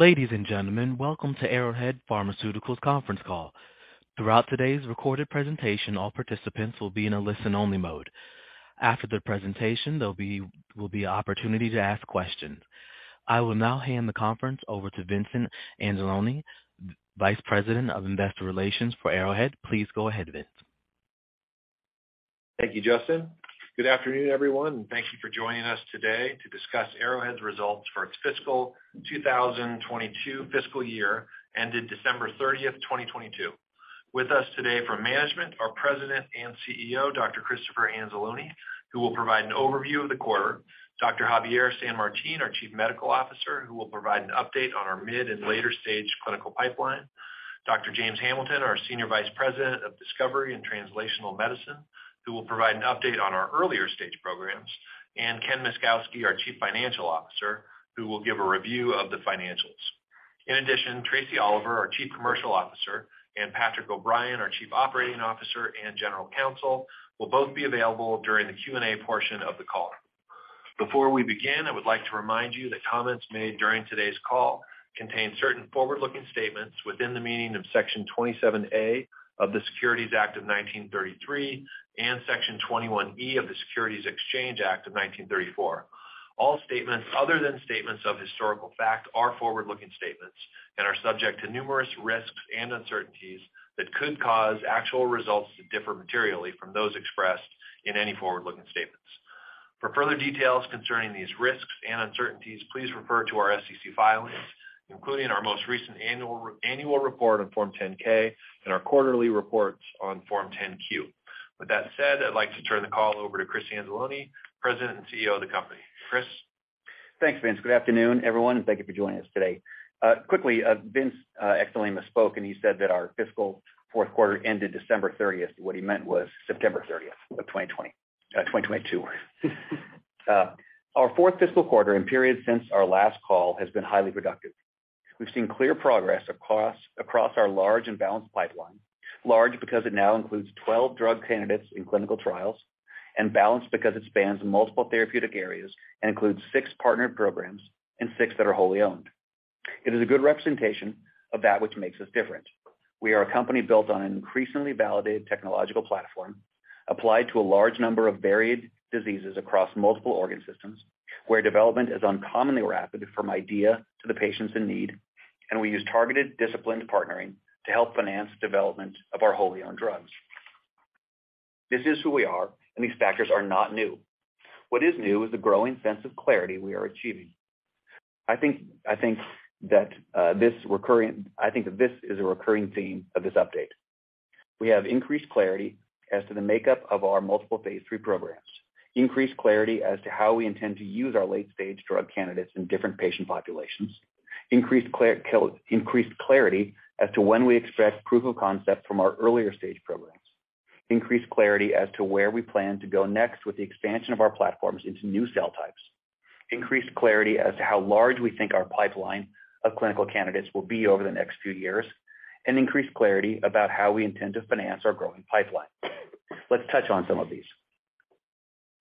Ladies and gentlemen, welcome to Arrowhead Pharmaceuticals conference call. Throughout today's recorded presentation, all participants will be in a listen-only mode. After the presentation, there will be an opportunity to ask questions. I will now hand the conference over to Vince Anzalone, Vice President of investor relations for Arrowhead. Please go ahead, Vince. Thank you, Justin. Good afternoon, everyone, and thank you for joining us today to discuss Arrowhead's results for its 2022 fiscal year ended December 30, 2022. With us today from management, our President and CEO, Dr. Christopher Anzalone, who will provide an overview of the quarter, Dr. Javier San Martin, our Chief Medical Officer, who will provide an update on our mid and later-stage clinical pipeline, Dr. James Hamilton, our Senior Vice President of Discovery and Translational Medicine, who will provide an update on our earlier stage programs, and Ken Myszkowski, our Chief Financial Officer, who will give a review of the financials. In addition, Tracie Oliver, our Chief Commercial Officer, and Patrick O'Brien, our Chief Operating Officer and General Counsel, will both be available during the Q&A portion of the call. Before we begin, I would like to remind you that comments made during today's call contain certain forward-looking statements within the meaning of Section 27A of the Securities Act of 1933 and Section 21E of the Securities Exchange Act of 1934. All statements other than statements of historical fact are forward-looking statements and are subject to numerous risks and uncertainties that could cause actual results to differ materially from those expressed in any forward-looking statements. For further details concerning these risks and uncertainties, please refer to our SEC filings, including our most recent annual report on Form 10-K and our quarterly reports on Form 10-Q. With that said, I'd like to turn the call over to Christopher Anzalone, president and CEO of the company. Chris. Thanks, Vince. Good afternoon, everyone, and thank you for joining us today. Quickly, Vince accidentally misspoke, and he said that our fiscal fourth quarter ended December 30th. What he meant was September 30th of 2022. Our fourth fiscal quarter and period since our last call has been highly productive. We've seen clear progress across our large and balanced pipeline, large because it now includes 12 drug candidates in clinical trials, and balanced because it spans multiple therapeutic areas and includes six partnered programs and six that are wholly owned. It is a good representation of that which makes us different. We are a company built on an increasingly validated technological platform applied to a large number of varied diseases across multiple organ systems, where development is uncommonly rapid from idea to the patients in need. We use targeted disciplined partnering to help finance development of our wholly owned drugs. This is who we are. These factors are not new. What is new is the growing sense of clarity we are achieving. I think that this is a recurring theme of this update. We have increased clarity as to the makeup of our multiple phase three programs, increased clarity as to how we intend to use our late-stage drug candidates in different patient populations, increased clarity as to when we expect proof of concept from our earlier stage programs, increased clarity as to where we plan to go next with the expansion of our platforms into new cell types, increased clarity as to how large we think our pipeline of clinical candidates will be over the next few years, and increased clarity about how we intend to finance our growing pipeline. Let's touch on some of these.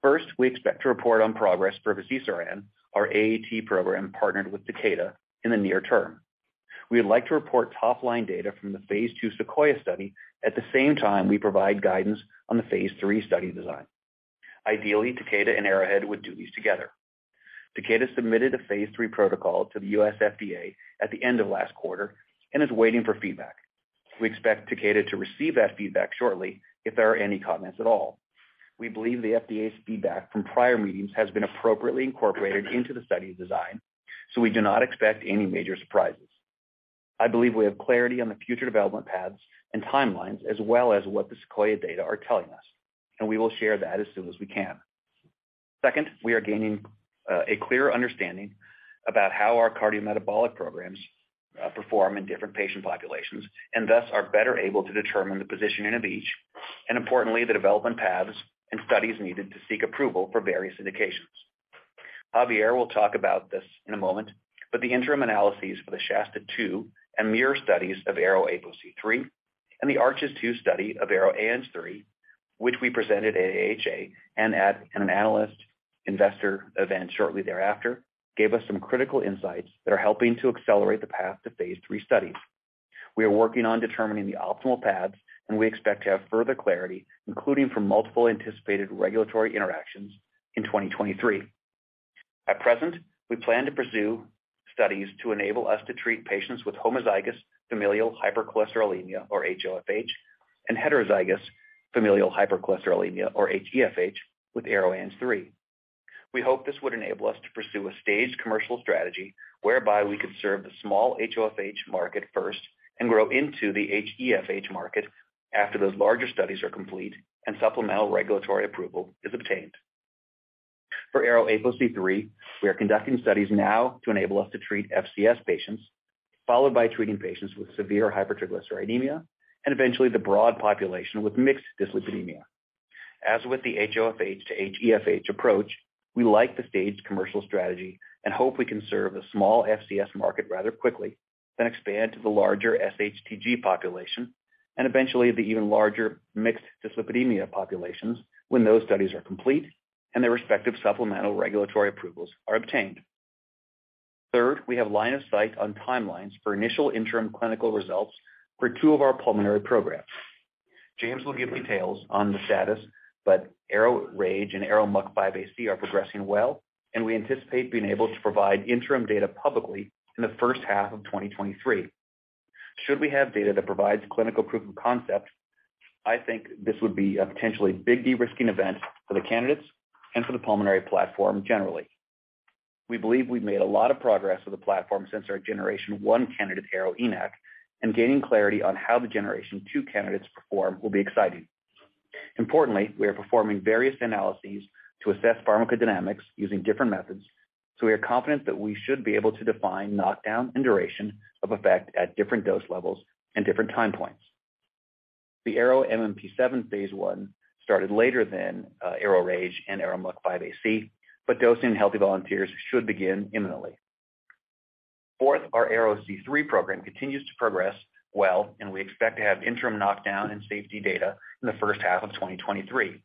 First, we expect to report on progress for fazirsiran, our AAT program partnered with Takeda, in the near term. We would like to report top-line data from the phase two SEQUOIA study at the same time we provide guidance on the phase three study design. Ideally, Takeda and Arrowhead Pharmaceuticals would do these together. Takeda submitted a phase three protocol to the U.S. FDA at the end of last quarter and is waiting for feedback. We expect Takeda to receive that feedback shortly if there are any comments at all. We believe the FDA's feedback from prior meetings has been appropriately incorporated into the study design, so we do not expect any major surprises. I believe we have clarity on the future development paths and timelines, as well as what the SEQUOIA data are telling us, and we will share that as soon as we can. Second, we are gaining a clear understanding about how our cardiometabolic programs perform in different patient populations and, thus, are better able to determine the positioning of each and importantly, the development paths and studies needed to seek approval for various indications. Javier will talk about this in a moment. The interim analyses for the SHASTA-2 and MUIR studies of ARO-APOC3 and the ARCHES-2 study of ARO-ANG3, which we presented at AHA and at an analyst investor event shortly thereafter, gave us some critical insights that are helping to accelerate the path to phase three studies. We are working on determining the optimal paths, and we expect to have further clarity, including from multiple anticipated regulatory interactions in 2023. At present, we plan to pursue studies to enable us to treat patients with homozygous familial hypercholesterolemia or HoFH and heterozygous familial hypercholesterolemia or HeFH with ARO-ANG3. We hope this would enable us to pursue a staged commercial strategy whereby we could serve the small HoFH market first and grow into the HeFH market after those larger studies are complete and supplemental regulatory approval is obtained. For ARO-APOC3, we are conducting studies now to enable us to treat FCS patients, followed by treating patients with severe hypertriglyceridemia and eventually the broad population with mixed dyslipidemia. As with the HoFH to HeFH approach, we like the staged commercial strategy and hope we can serve the small FCS market rather quickly, then expand to the larger SHTG population and eventually the even larger mixed dyslipidemia populations when those studies are complete and their respective supplemental regulatory approvals are obtained. Third, we have line of sight on timelines for initial interim clinical results for two of our pulmonary programs. James will give details on the status, but ARO-RAGE and ARO-MUC5AC are progressing well, and we anticipate being able to provide interim data publicly in the first half of 2023. Should we have data that provides clinical proof of concept, I think this would be a potentially big de-risking event for the candidates and for the pulmonary platform generally. We believe we've made a lot of progress with the platform since our generation one candidate ARO-ENaC, and gaining clarity on how the generation two candidates perform will be exciting. Importantly, we are performing various analyses to assess pharmacodynamics using different methods, so we are confident that we should be able to define knockdown and duration of effect at different dose levels and different time points. The ARO-MMP7 phase one started later than ARO-RAGE and ARO-MUC5AC, but dosing healthy volunteers should begin imminently. Our ARO-C3 program continues to progress well and we expect to have interim knockdown and safety data in the first half of 2023.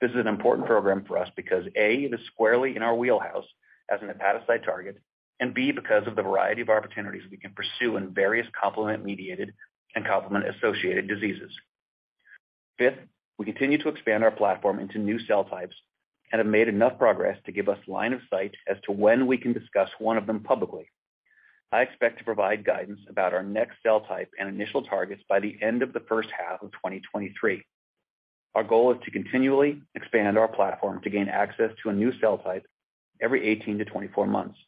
This is an important program for us because, A, it is squarely in our wheelhouse as an hepatocyte target, and B, because of the variety of opportunities we can pursue in various complement-mediated and complement-associated diseases. We continue to expand our platform into new cell types and have made enough progress to give us line of sight as to when we can discuss one of them publicly. I expect to provide guidance about our next cell type and initial targets by the end of the first half of 2023. Our goal is to continually expand our platform to gain access to a new cell type every 18-24 months.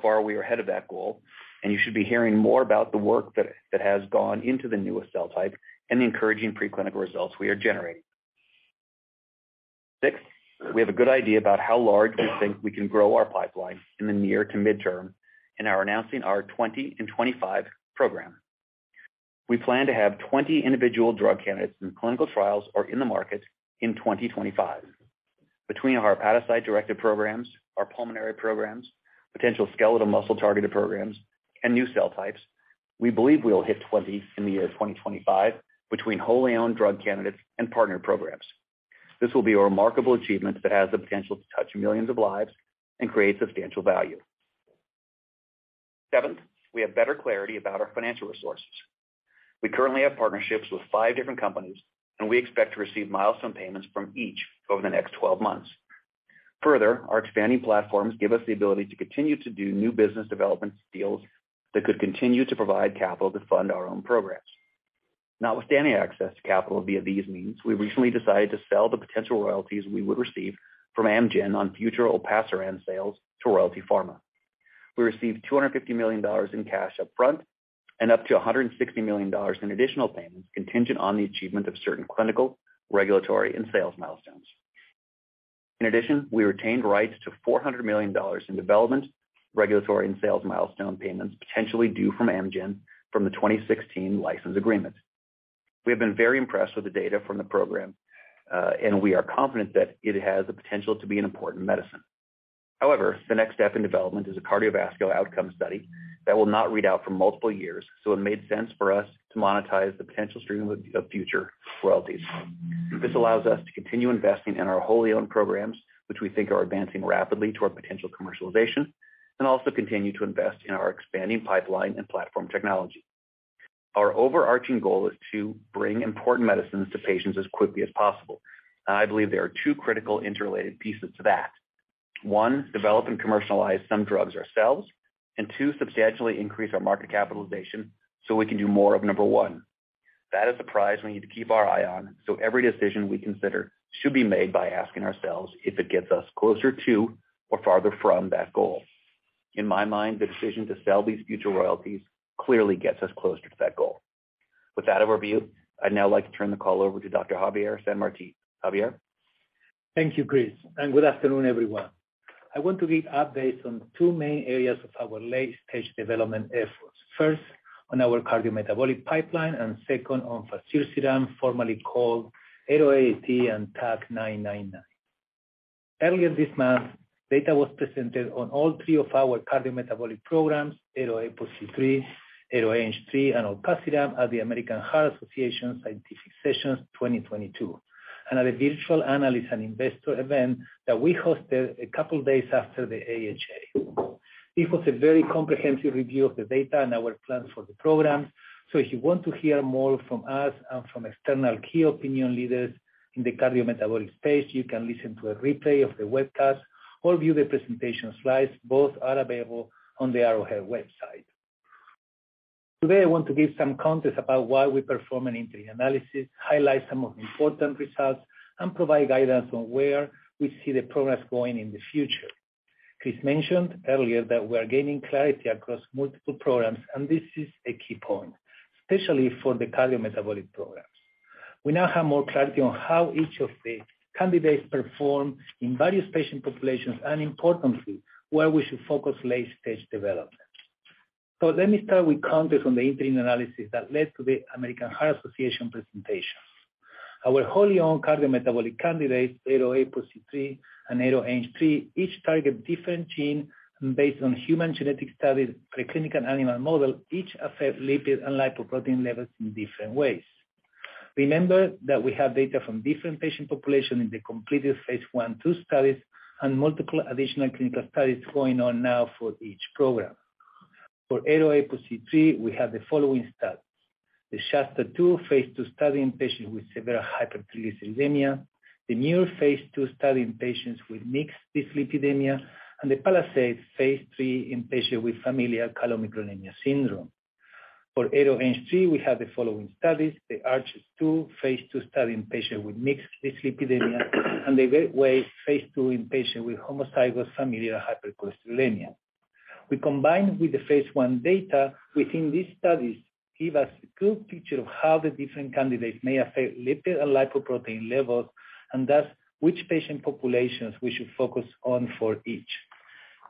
Far, we are ahead of that goal and you should be hearing more about the work that has gone into the newest cell type and the encouraging preclinical results we are generating. Sixth, we have a good idea about how large we think we can grow our pipeline in the near to midterm and are announcing our 20 in 2025 program. We plan to have 20 individual drug candidates in clinical trials or in the market in 2025. Between our hepatocyte-directed programs, our pulmonary programs, potential skeletal muscle-targeted programs, and new cell types, we believe we'll hit 20 in the year 2025 between wholly owned drug candidates and partner programs. This will be a remarkable achievement that has the potential to touch millions of lives and create substantial value. Seventh, we have better clarity about our financial resources. We currently have partnerships with five different companies, and we expect to receive milestone payments from each over the next 12 months. Further, our expanding platforms give us the ability to continue to do new business development deals that could continue to provide capital to fund our own programs. Notwithstanding access to capital via these means, we recently decided to sell the potential royalties we would receive from Amgen on future olpasiran sales to Royalty Pharma. We received $250 million in cash up front and up to $160 million in additional payments contingent on the achievement of certain clinical, regulatory, and sales milestones. In addition, we retained rights to $400 million in development, regulatory, and sales milestone payments potentially due from Amgen from the 2016 license agreement. We have been very impressed with the data from the program, and we are confident that it has the potential to be an important medicine. However, the next step in development is a cardiovascular outcome study that will not read out for multiple years, so it made sense for us to monetize the potential stream of future royalties. This allows us to continue investing in our wholly owned programs, which we think are advancing rapidly toward potential commercialization, and also continue to invest in our expanding pipeline and platform technology. Our overarching goal is to bring important medicines to patients as quickly as possible. I believe there are two critical interrelated pieces to that. One, develop and commercialize some drugs ourselves. Two, substantially increase our market capitalization so we can do more of number one. That is the prize we need to keep our eye on, so every decision we consider should be made by asking ourselves if it gets us closer to or farther from that goal. In my mind, the decision to sell these future royalties clearly gets us closer to that goal. With that overview, I'd now like to turn the call over to Dr. Javier San Martin. Javier? Thank you, Chris. Good afternoon, everyone. I want to give updates on two main areas of our late-stage development efforts. First, on our cardiometabolic pipeline. Second, on fazirsiran, formerly called ARO-AAT and TAK-999. Earlier this month, data was presented on all three of our cardiometabolic programs, ARO-APOC3, ARO-ANG3, and olpasiran at the American Heart Association Scientific Sessions 2022, at a virtual analyst and investor event that we hosted a couple days after the AHA. It was a very comprehensive review of the data and our plans for the program. If you want to hear more from us and from external key opinion leaders in the cardiometabolic space, you can listen to a replay of the webcast or view the presentation slides. Both are available on the Arrowhead website. Today, I want to give some context about why we perform an interim analysis, highlight some of the important results, and provide guidance on where we see the progress going in the future. Chris mentioned earlier that we are gaining clarity across multiple programs. This is a key point, especially for the cardiometabolic programs. We now have more clarity on how each of the candidates perform in various patient populations, and importantly, where we should focus late-stage development. Let me start with context on the interim analysis that led to the American Heart Association presentation. Our wholly-owned cardiometabolic candidates, ARO-APOC3 and ARO-ANG3, each target different gene based on human genetic studies, preclinical animal model, each affect lipid and lipoprotein levels in different ways. Remember that we have data from different patient population in the completed phase one, two studies and multiple additional clinical studies going on now for each program. For ARO-APOC3, we have the following studies: The SHASTA-2, phase two study in patients with severe hypertriglyceridemia, the MUIR phase two study in patients with mixed dyslipidemia, and the PALISADE phase three in patients with familial chylomicronemia syndrome. For ARO-ANG3, we have the following studies: The ARCHES-2, phase two study in patients with mixed dyslipidemia, and the GATEWAY phase two in patients with homozygous familial hypercholesterolemia. We combine with the phase one data within these studies give us a good picture of how the different candidates may affect lipid and lipoprotein levels, and thus which patient populations we should focus on for each.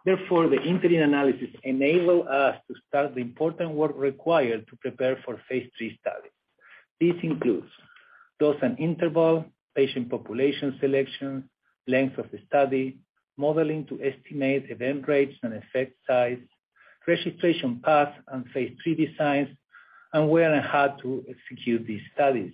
The interim analysis enable us to start the important work required to prepare for phase three studies. This includes dose and interval, patient population selection, length of the study, modeling to estimate event rates and effect size, registration path and phase three designs, and where and how to execute these studies.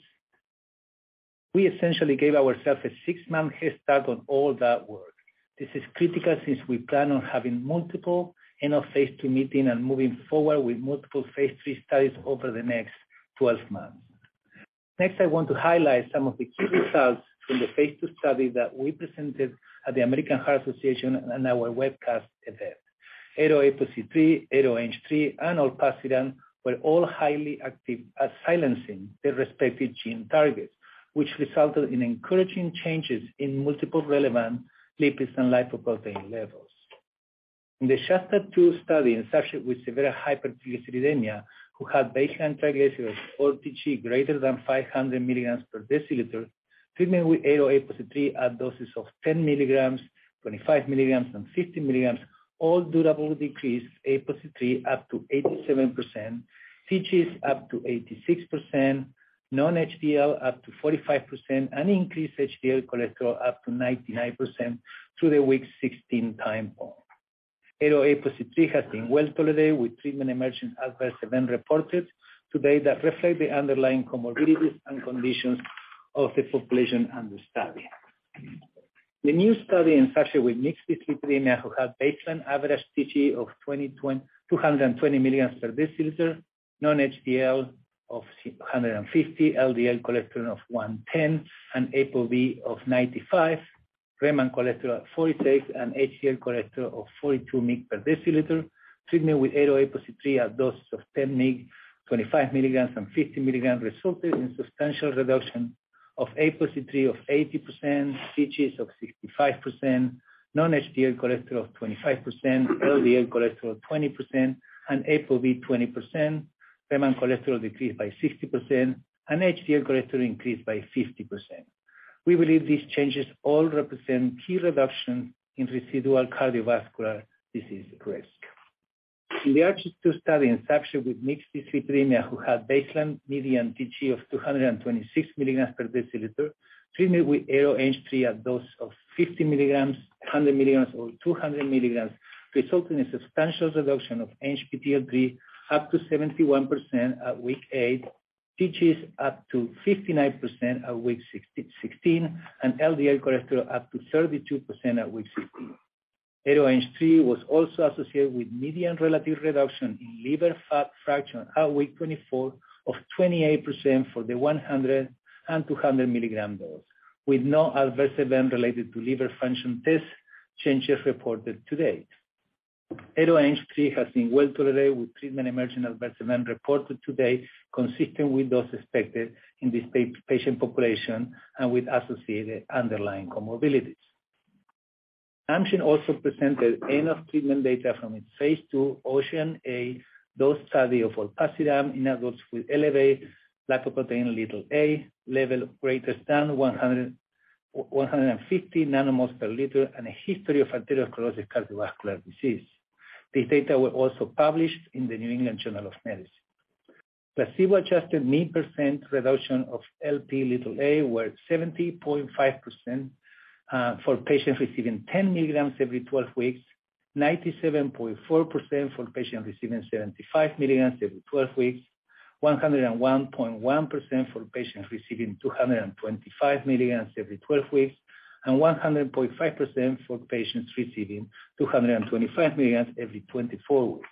We essentially gave ourselves a six-month head start on all that work. This is critical since we plan on having multiple end of phase two meeting and moving forward with multiple phase three studies over the next 12 months. Next, I want to highlight some of the key results from the phase two study that we presented at the American Heart Association and our webcast event. ARO-APOC3, ARO-ANG3 and olpasiran were all highly active at silencing their respective gene targets, which resulted in encouraging changes in multiple relevant lipids and lipoprotein levels. In the SHASTA-2 study, in patients with severe hypertriglyceridemia who had baseline triglycerides or TG greater than 500 milligrams per deciliter, treatment with ARO-APOC3 at doses of 10 milligrams, 25 milligrams and 50 milligrams, all durable decreased APOC3 up to 87%, TGs up to 86%, non-HDL up to 45%, and increased HDL cholesterol up to 99% through the week 16 time point. ARO-APOC3 has been well-tolerated, with treatment-emergent adverse event reported to date that reflect the underlying comorbidities and conditions of the population under study. The new study in patients with mixed dyslipidemia who had baseline average TG of 220 milligrams per deciliter, non-HDL of 150, LDL cholesterol of 110, and ApoB of 95, pre-med cholesterol at 46, and HDL cholesterol of 42 mg per deciliter. Treatment with ARO-APOC3 at doses of 10 mg, 25 mg and 50 mg resulted in substantial reduction of APOC3 of 80%, TGs of 65%, non-HDL cholesterol of 25%, LDL cholesterol 20%, and ApoB 20%, pre-med cholesterol decreased by 60%, and HDL cholesterol increased by 50%. We believe these changes all represent key reduction in residual cardiovascular disease risk. In the ARCHES-2 study, in patients with mixed dyslipidemia who had baseline median TG of 226 mg/dL, treatment with ARO-ANG3 at dose of 50 mg, 100 mg or 200 mg, result in a substantial reduction of ANGPTL3 up to 71% at week eight, TGs up to 59% at week 16, and LDL cholesterol up to 32% at week 16. ARO-ANG3 was also associated with median relative reduction in liver fat fraction at week 24 of 28% for the 100 and 200 milligram dose, with no adverse event related to liver function test changes reported to date. ARO-ANG3 has been well-tolerated, with treatment-emergent adverse event reported to date, consistent with those expected in this patient population and with associated underlying comorbidities. Amgen also presented end of treatment data from its phase two OCEAN(a)-DOSE study of olpasiran in adults with elevated lipoprotein little a, level greater than 150 nanomoles per liter, and a history of atherosclerotic cardiovascular disease. These data were also published in the New England Journal of Medicine. Placebo-adjusted mean percent reduction of Lp(a) were 70.5% for patients receiving 10 mg every 12 weeks, 97.4% for patients receiving 75 mg every 12 weeks, 101.1% for patients receiving 225 mg every 12 weeks, and 100.5% for patients receiving 225 mg every 24 weeks.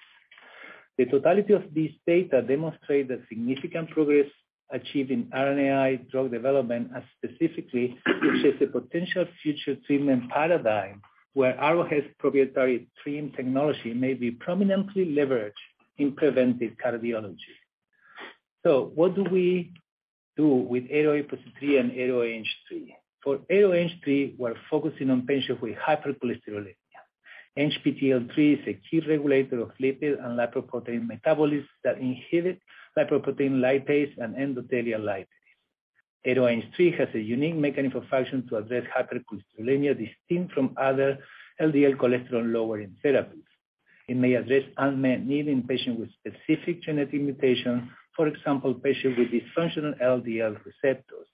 The totality of these data demonstrate the significant progress achieved in RNAi drug development and specifically, which is a potential future treatment paradigm where ARO has proprietary TRiM™ technology may be prominently leveraged in preventive cardiology. What do we do with ARO-APOC3 and ARO-ANG3? For ARO-ANG3, we're focusing on patients with hypercholesterolemia. ANGPTL3 is a key regulator of lipid and lipoprotein metabolism that inhibit lipoprotein lipase and endothelial lipase. ARO-ANG3 has a unique mechanism of function to address hypercholesterolemia distinct from other LDL cholesterol-lowering therapies. It may address unmet need in patients with specific genetic mutations, for example, patients with dysfunctional LDL receptors.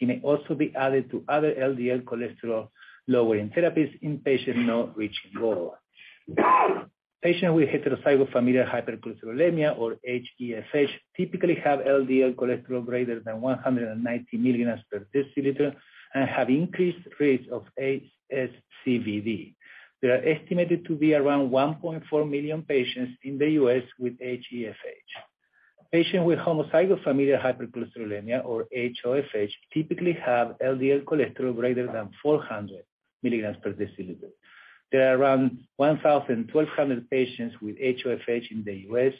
It may also be added to other LDL cholesterol-lowering therapies in patients not reaching goal. Patients with heterozygous familial hypercholesterolemia or HeFH typically have LDL cholesterol greater than 190 milligrams per deciliter and have increased rates of ASCVD. There are estimated to be around 1.4 million patients in the U.S. with HeFH. Patients with homozygous familial hypercholesterolemia or HoFH typically have LDL cholesterol greater than 400 milligrams per deciliter. There are around 1,000-1,200 patients with HoFH in the U.S.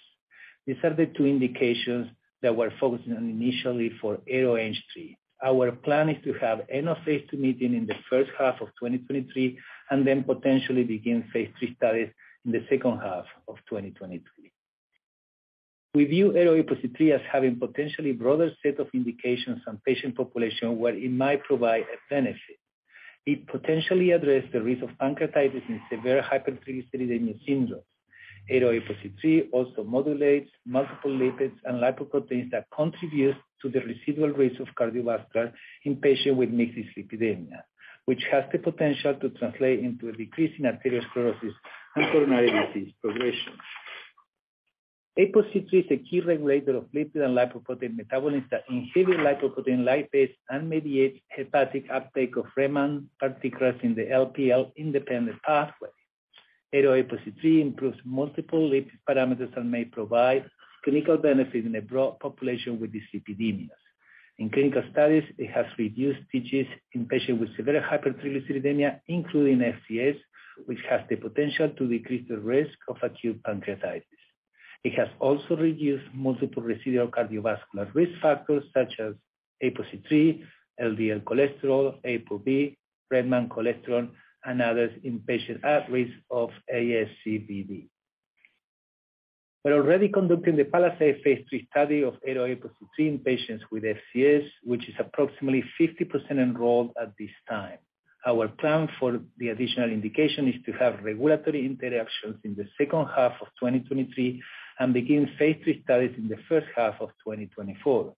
These are the two indications that we're focusing on initially for ARO-ANG3. Our plan is to have end of phase two meeting in the first half of 2023, potentially begin phase three studies in the second half of 2023. We view ARO-APOC3 as having potentially broader set of indications on patient population where it might provide a benefit. It potentially address the risk of pancreatitis in severe hypertriglyceridemia syndrome. ARO-APOC3 also modulates multiple lipids and lipoproteins that contributes to the residual risk of cardiovascular in patients with mixed dyslipidemia, which has the potential to translate into a decrease in atherosclerosis and coronary disease progression. APOC3 is a key regulator of lipid and lipoprotein metabolism that inhibit lipoprotein lipase and mediates hepatic uptake of remnant particles in the LPL independent pathway. ARO-APOC3 improves multiple lipid parameters and may provide clinical benefit in a broad population with dyslipidemias. In clinical studies, it has reduced TGs in patients with severe hypertriglyceridemia, including FCS, which has the potential to decrease the risk of acute pancreatitis. It has also reduced multiple residual cardiovascular risk factors such as APOC3, LDL cholesterol, ApoB, remnant cholesterol, and others in patients at risk of ASCVD. We're already conducting the PALISADE phase three study of ARO-APOC3 in patients with FCS, which is approximately 50% enrolled at this time. Our plan for the additional indication is to have regulatory interactions in the second half of 2023 and begin phase 3 studies in the first half of 2024.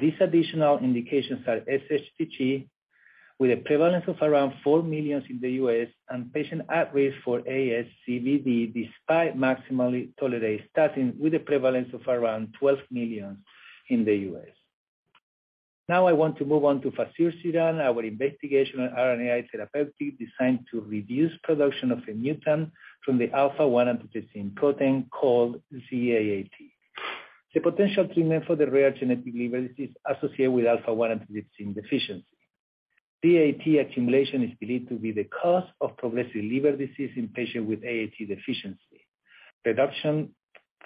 These additional indications are SHTG with a prevalence of around $4 million in the U.S. And patients at risk for ASCVD despite maximally tolerated statin, with a prevalence of around $12 million in the US. I want to move on to fazirsiran, our investigational RNAi therapeutic designed to reduce production of a mutant from the alpha-1 antitrypsin protein called Z-AAT. The potential treatment for the rare genetic liver disease associated with. Z-AAT accumulation is believed to be the cause of progressive liver disease in patients with AATD.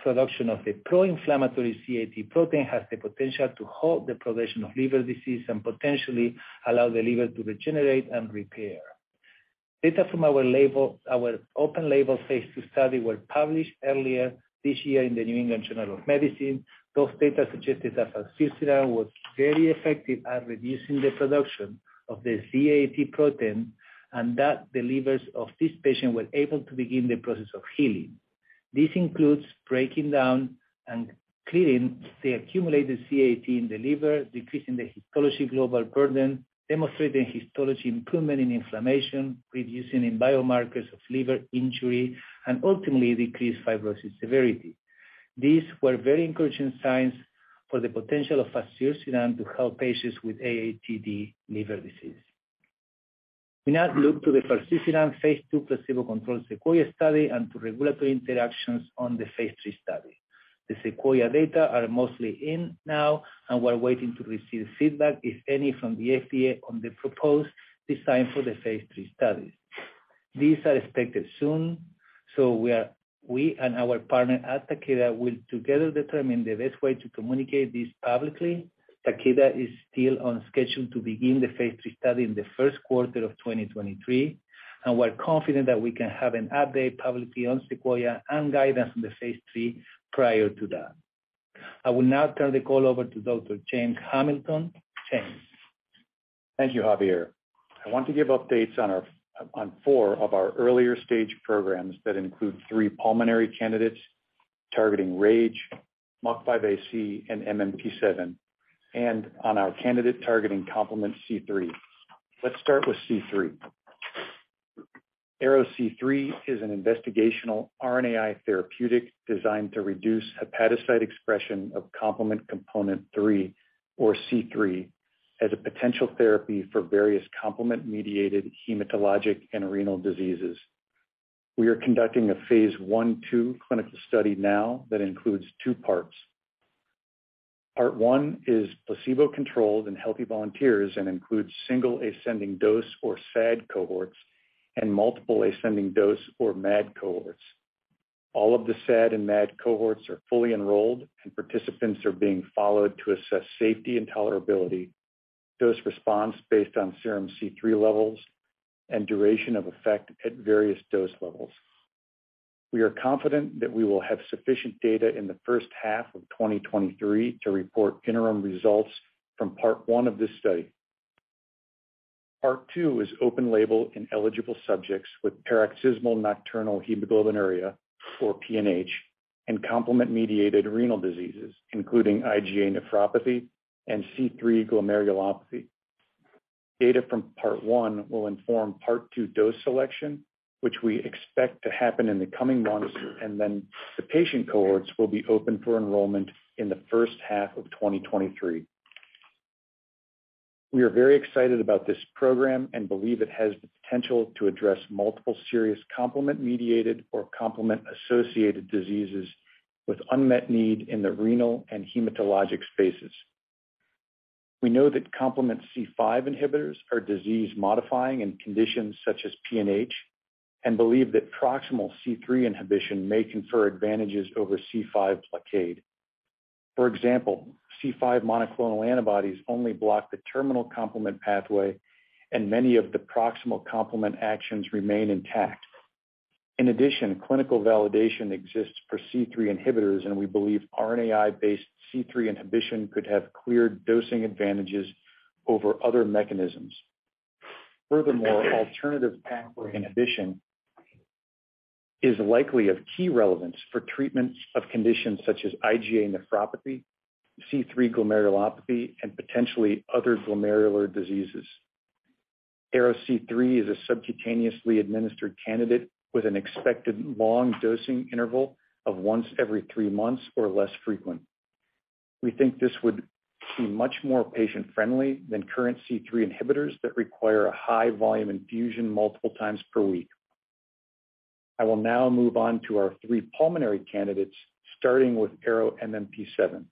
Production of the pro-inflammatory Z-AAT protein has the potential to halt the progression of liver disease and potentially allow the liver to regenerate and repair. Data from our open label phase two study were published earlier this year in the New England Journal of Medicine. Those data suggested that fazirsiran was very effective at reducing the production of the Z-AAT protein, and that the livers of these patients were able to begin the process of healing. This includes breaking down and clearing the accumulated Z-AAT in the liver, decreasing the histology global burden, demonstrating histology improvement in inflammation, reducing in biomarkers of liver injury, and ultimately decreased fibrosis severity. These were very encouraging signs for the potential of fazirsiran to help patients with AATD liver disease. We now look to the fazirsiran phase two placebo-controlled SEQUOIA study and to regulatory interactions on the phase three study. The SEQUOIA data are mostly in now, and we're waiting to receive feedback, if any, from the FDA on the proposed design for the phase three studies. These are expected soon, so we and our partner at Takeda will together determine the best way to communicate this publicly. Takeda is still on schedule to begin the phase three study in the first quarter of 2023, and we're confident that we can have an update publicly on SEQUOIA and guidance on the phase three prior to that. I will now turn the call over to Dr. James Hamilton. James. Thank you, Javier. I want to give updates on four of our earlier stage programs that include three pulmonary candidates targeting RAGE, MUC5AC, and MMP7, and on our candidate targeting complement C3. Let's start with C3. ARO-C3 is an investigational RNAi therapeutic designed to reduce hepatocyte expression of complement component three or C3 as a potential therapy for various complement-mediated hematologic and renal diseases. We are conducting a phase 1/2 clinical study now that includes two parts. Part one is placebo-controlled in healthy volunteers and includes single ascending dose or SAD cohorts and multiple ascending dose or MAD cohorts. All of the SAD and MAD cohorts are fully enrolled. Participants are being followed to assess safety and tolerability, dose response based on serum C3 levels, and duration of effect at various dose levels. We are confident that we will have sufficient data in the first half of 2023 to report interim results from Part one of this study. Part two is open label in eligible subjects with paroxysmal nocturnal hemoglobinuria or PNH and complement mediated renal diseases, including IgA nephropathy and C3 glomerulopathy. Data from Part 1 will inform Part two dose selection, which we expect to happen in the coming months, and then the patient cohorts will be open for enrollment in the first half of 2023. We are very excited about this program and believe it has the potential to address multiple serious complement mediated or complement associated diseases with unmet need in the renal and hematologic spaces. We know that complement C5 inhibitors are disease modifying in conditions such as PNH, and believe that proximal C3 inhibition may confer advantages over C5 blockade. For example, C5 monoclonal antibodies only block the terminal complement pathway, and many of the proximal complement actions remain intact. In addition, clinical validation exists for C3 inhibitors, and we believe RNAi-based C3 inhibition could have clear dosing advantages over other mechanisms. Furthermore, alternative pathway inhibition is likely of key relevance for treatments of conditions such as IgA nephropathy, C3 glomerulopathy, and potentially other glomerular diseases. ARO-C3 is a subcutaneously administered candidate with an expected long dosing interval of once every three months or less frequent. We think this would be much more patient-friendly than current C3 inhibitors that require a high volume infusion multiple times per week. I will now move on to our three pulmonary candidates, starting with ARO-MMP7.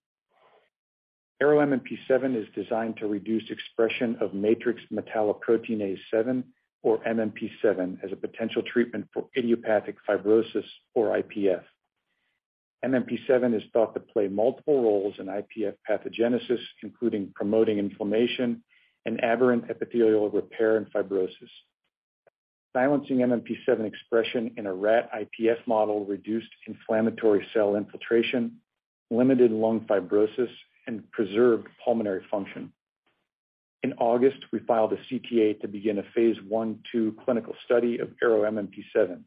ARO-MMP7 is designed to reduce expression of matrix metalloproteinase seven or MMP7 as a potential treatment for idiopathic fibrosis or IPF. MMP7 is thought to play multiple roles in IPF pathogenesis, including promoting inflammation and aberrant epithelial repair and fibrosis. Silencing MMP7 expression in a rat IPF model reduced inflammatory cell infiltration, limited lung fibrosis, and preserved pulmonary function. In August, we filed a CTA to begin a phase I/II clinical study of ARO-MMP7.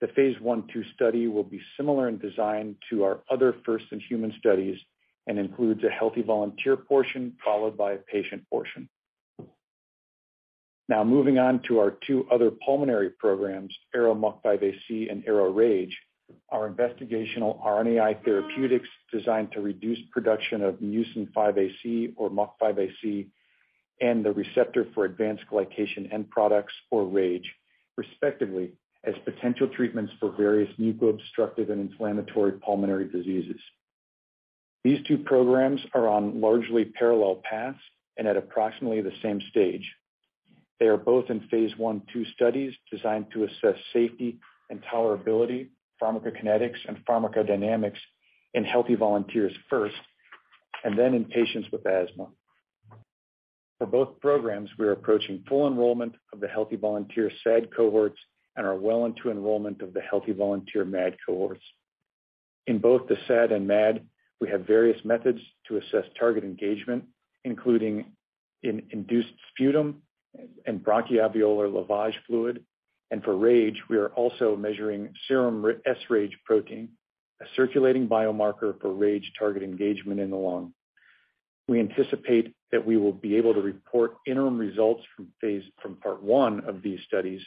The phase I/II study will be similar in design to our other first-in-human studies and includes a healthy volunteer portion followed by a patient portion. Now moving on to our two other pulmonary programs, ARO-MUC5AC and ARO-RAGE, our investigational RNAi therapeutics designed to reduce production of mucin five AC or MUC5AC and the receptor for advanced glycation end products or RAGE, respectively, as potential treatments for various mucobstructive and inflammatory pulmonary diseases. These two programs are on largely parallel paths and at approximately the same stage. They are both in phase 1/2 studies designed to assess safety and tolerability, pharmacokinetics and pharmacodynamics in healthy volunteers first, and then in patients with asthma. For both programs, we are approaching full enrollment of the healthy volunteer SAD cohorts and are well into enrollment of the healthy volunteer MAD cohorts. In both the SAD and MAD, we have various methods to assess target engagement, including in induced sputum and bronchoalveolar lavage fluid. For RAGE, we are also measuring serum sRAGE protein, a circulating biomarker for RAGE target engagement in the lung. We anticipate that we will be able to report interim results from part one of these studies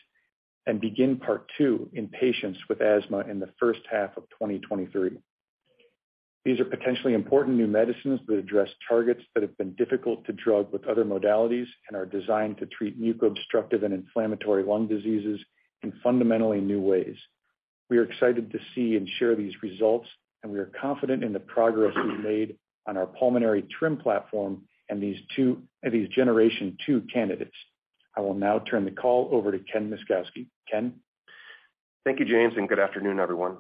and begin part two in patients with asthma in the first half of 2023. These are potentially important new medicines that address targets that have been difficult to drug with other modalities and are designed to treat mucobstructive and inflammatory lung diseases in fundamentally new ways. We are excited to see and share these results, we are confident in the progress we've made on our pulmonary TRiM platform and these generation two candidates. I will now turn the call over to Ken Myszkowski. Ken. Thank you, James, and good afternoon, everyone.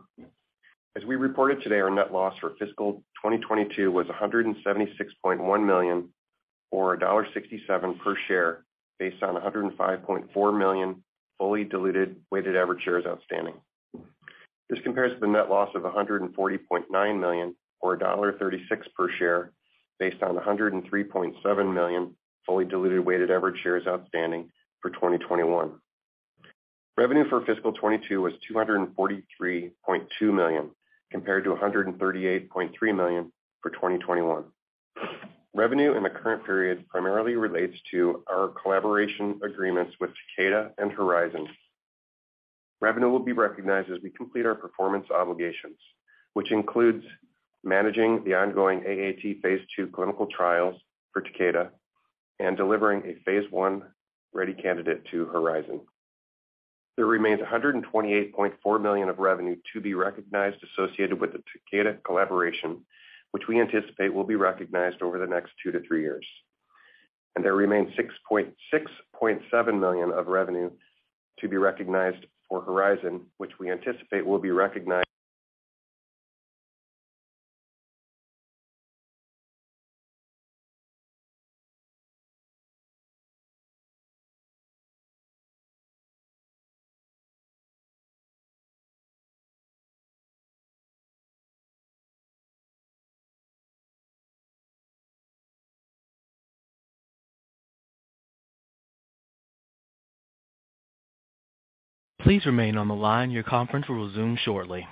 As we reported today, our net loss for fiscal 2022 was $176.1 million, or $1.67 per share, based on 105.4 million fully diluted weighted average shares outstanding. This compares to the net loss of $140.9 million or $1.36 per share based on 103.7 million fully diluted weighted average shares outstanding for 2021. Revenue for fiscal 2022 was $243.2 million, compared to $138.3 million for 2021. Revenue in the current period primarily relates to our collaboration agreements with Takeda and Horizon. Revenue will be recognized as we complete our performance obligations, which includes managing the ongoing AAT phase two clinical trials for Takeda and delivering a phase 1-ready candidate to Horizon. There remains $128.4 million of revenue to be recognized associated with the Takeda collaboration, which we anticipate will be recognized over the next two-three years. There remains $6.7 million of revenue to be recognized for Horizon, which we anticipate will be recognized. Please remain on the line. Your conference will resume shortly.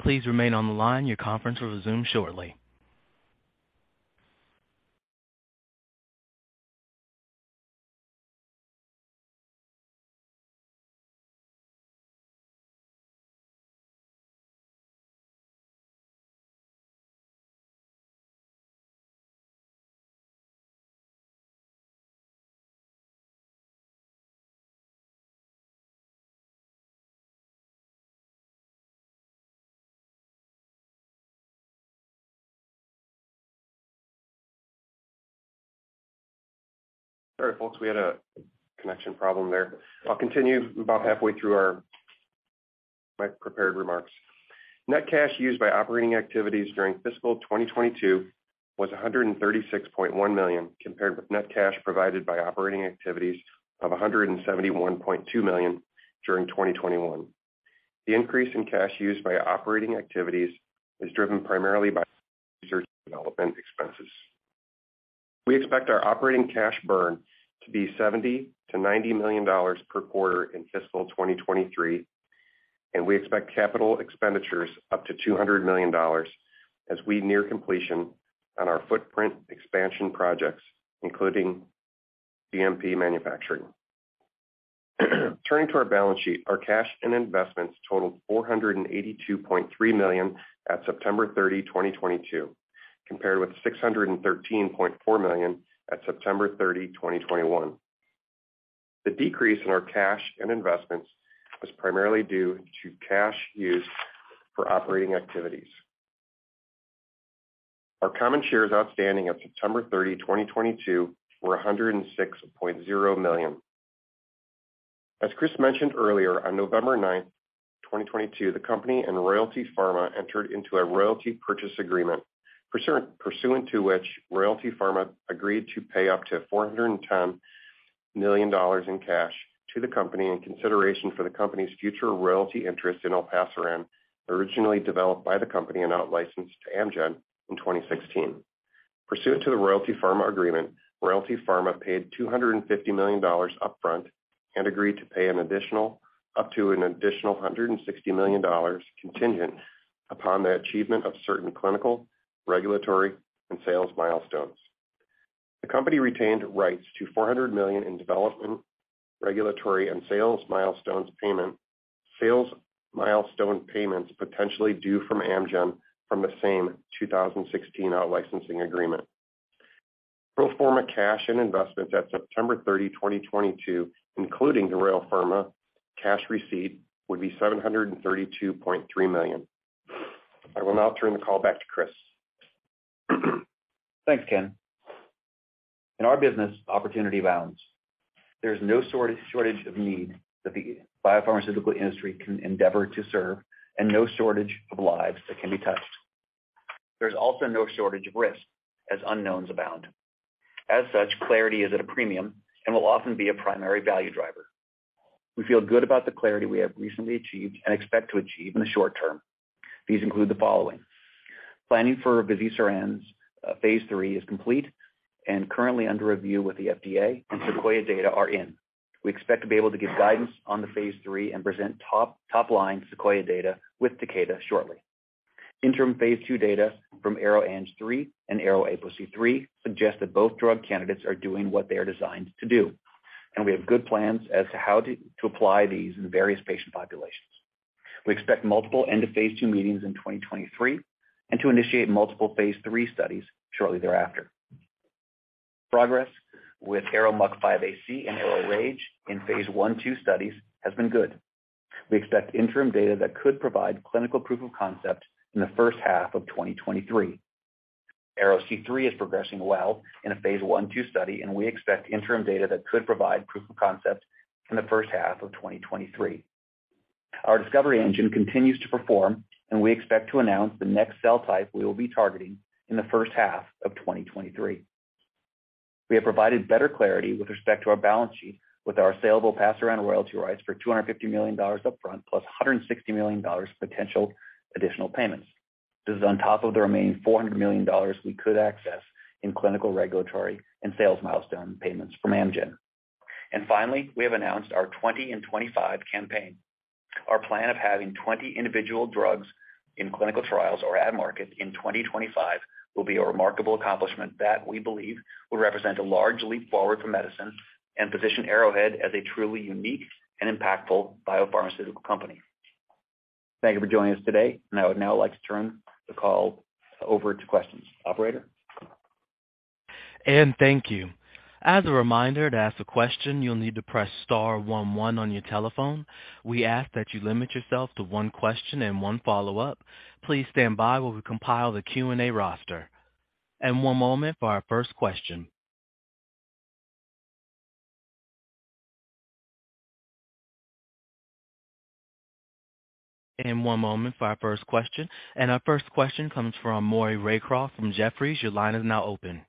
Please remain on the line. Your conference will resume shortly. Sorry, folks. We had a connection problem there. I'll continue about halfway through my prepared remarks. Net cash used by operating activities during fiscal 2022 was 136.1 million, compared with net cash provided by operating activities of 171.2 million during 2021. The increase in cash used by operating activities is driven primarily by research and development expenses. We expect our operating cash burn to be $70 million-$90 million per quarter in fiscal 2023, and we expect capital expenditures up to $200 million as we near completion on our footprint expansion projects, including GMP manufacturing. Turning to our balance sheet. Our cash and investments totaled 482.3 million at September 30, 2022, compared with 613.4 million at September 30, 2021. The decrease in our cash and investments was primarily due to cash used for operating activities. Our common shares outstanding at September 30, 2022 were $106.0 million. As Chris mentioned earlier, on November 9, 2022, the company and Royalty Pharma entered into a royalty purchase agreement, pursuant to which Royalty Pharma agreed to pay up to $410 million in cash to the company in consideration for the company's future royalty interest in olpasiran, originally developed by the company and out licensed to Amgen in 2016. Pursuant to the Royalty Pharma agreement, Royalty Pharma paid $250 million upfront and agreed to pay up to an additional $160 million, contingent upon the achievement of certain clinical, regulatory, and sales milestones. The company retained rights to 400 million in development, regulatory, and sales milestone payments potentially due from Amgen from the same 2016 out licensing agreement. Pro forma cash and investments at September 30, 2022, including the Royalty Pharma cash receipt, would be 732.3 million. I will now turn the call back to Chris. Thanks, Ken. In our business, opportunity abounds. There's no shortage of need that the biopharmaceutical industry can endeavor to serve and no shortage of lives that can be touched. There's also no shortage of risk as unknowns abound. Clarity is at a premium and will often be a primary value driver. We feel good about the clarity we have recently achieved and expect to achieve in the short term. These include the following. Planning for fazirsiran's phase three is complete and currently under review with the FDA and SEQUOIA data are in. We expect to be able to give guidance on the phase three and present top line SEQUOIA data with Takeda shortly. Interim phase two data from ARO-ANG3 and ARO-APOC3 suggest that both drug candidates are doing what they are designed to do, and we have good plans as to how to apply these in various patient populations. We expect multiple end of phase two meetings in 2023 and to initiate multiple phase three studies shortly thereafter. Progress with ARO-MUC5AC and ARO-RAGE in phase 1/2 studies has been good. We expect interim data that could provide clinical proof of concept in the first half of 2023. ARO-C3 is progressing well in a phase 1/2 study, and we expect interim data that could provide proof of concept in the first half of 2023. Our discovery engine continues to perform, and we expect to announce the next cell type we will be targeting in the first half of 2023. We have provided better clarity with respect to our balance sheet with our olpasiran royalty rights for $250 million upfront plus $160 million potential additional payments. This is on top of the remaining $400 million we could access in clinical, regulatory and sales milestone payments from Amgen. Finally, we have announced our 20 in 2025 campaign. Our plan of having 20 individual drugs in clinical trials or at market in 2025 will be a remarkable accomplishment that we believe will represent a large leap forward for medicine and position Arrowhead as a truly unique and impactful biopharmaceutical company. Thank you for joining us today. I would now like to turn the call over to questions. Operator? Thank you. As a reminder, to ask a question, you'll need to press star one one on your telephone. We ask that you limit yourself to one question and one follow-up. Please stand by while we compile the Q&A roster. One moment for our first question, and our first question comes from Maury Raycroft from Jefferies. Your line is now open.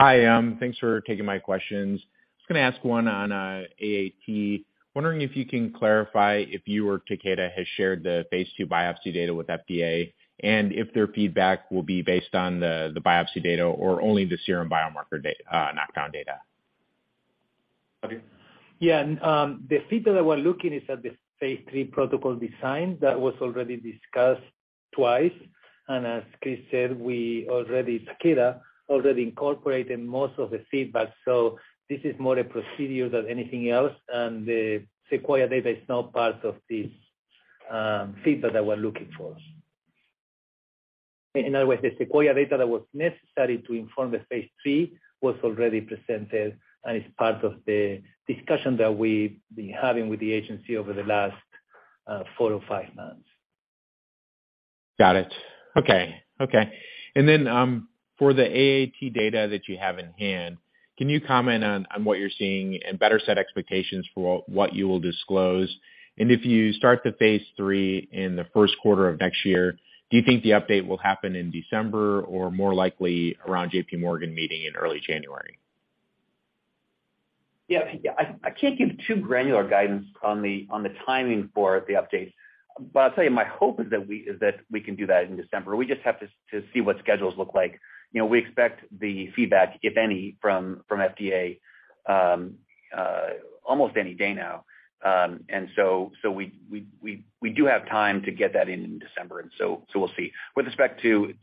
Hi, thanks for taking my questions. I was going to ask one on AAT. Wondering if you can clarify if you or Takeda has shared the phase 2 biopsy data with FDA and if their feedback will be based on the biopsy data or only the serum biomarker knockdown data? Javier? Yeah. The feedback that we're looking is at the phase three protocol design that was already discussed twice. As Chris said, Takeda already incorporated most of the feedback, so this is more a procedure than anything else. The SEQUOIA data is not part of this, feedback that we're looking for. In other words, the SEQUOIA data that was necessary to inform the phase three was already presented and is part of the discussion that we've been having with the agency over the last four or five months. Got it. Okay. Okay. For the AAT data that you have in hand, can you comment on what you're seeing and better set expectations for what you will disclose? If you start the phase 3 in the 1st quarter of next year, do you think the update will happen in December or more likely around JPMorgan meeting in early January? Yeah. I can't give too granular guidance on the, on the timing for the updates. I'll tell you, my hope is that we can do that in December. We just have to see what schedules look like. You know, we expect the feedback, if any, from FDA, almost any day now. We do have time to get that in December, and so we'll see. With respect to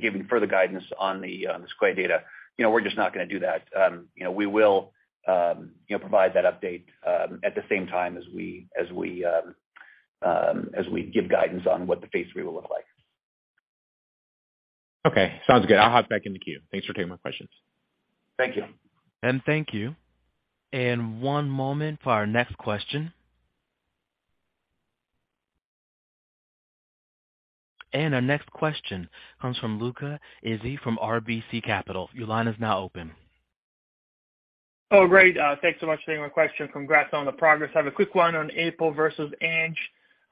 giving further guidance on the SEQUOIA data, you know, we're just not going to do that. You know, we will, you know, provide that update at the same time as we give guidance on what the phase three will look like. Okay, sounds good. I'll hop back in the queue. Thanks for taking my questions. Thank you. Thank you. One moment for our next question. Our next question comes from Luca Issi from RBC Capital. Your line is now open. Great. Thanks so much for taking my question. Congrats on the progress. I have a quick one on APO versus Ang.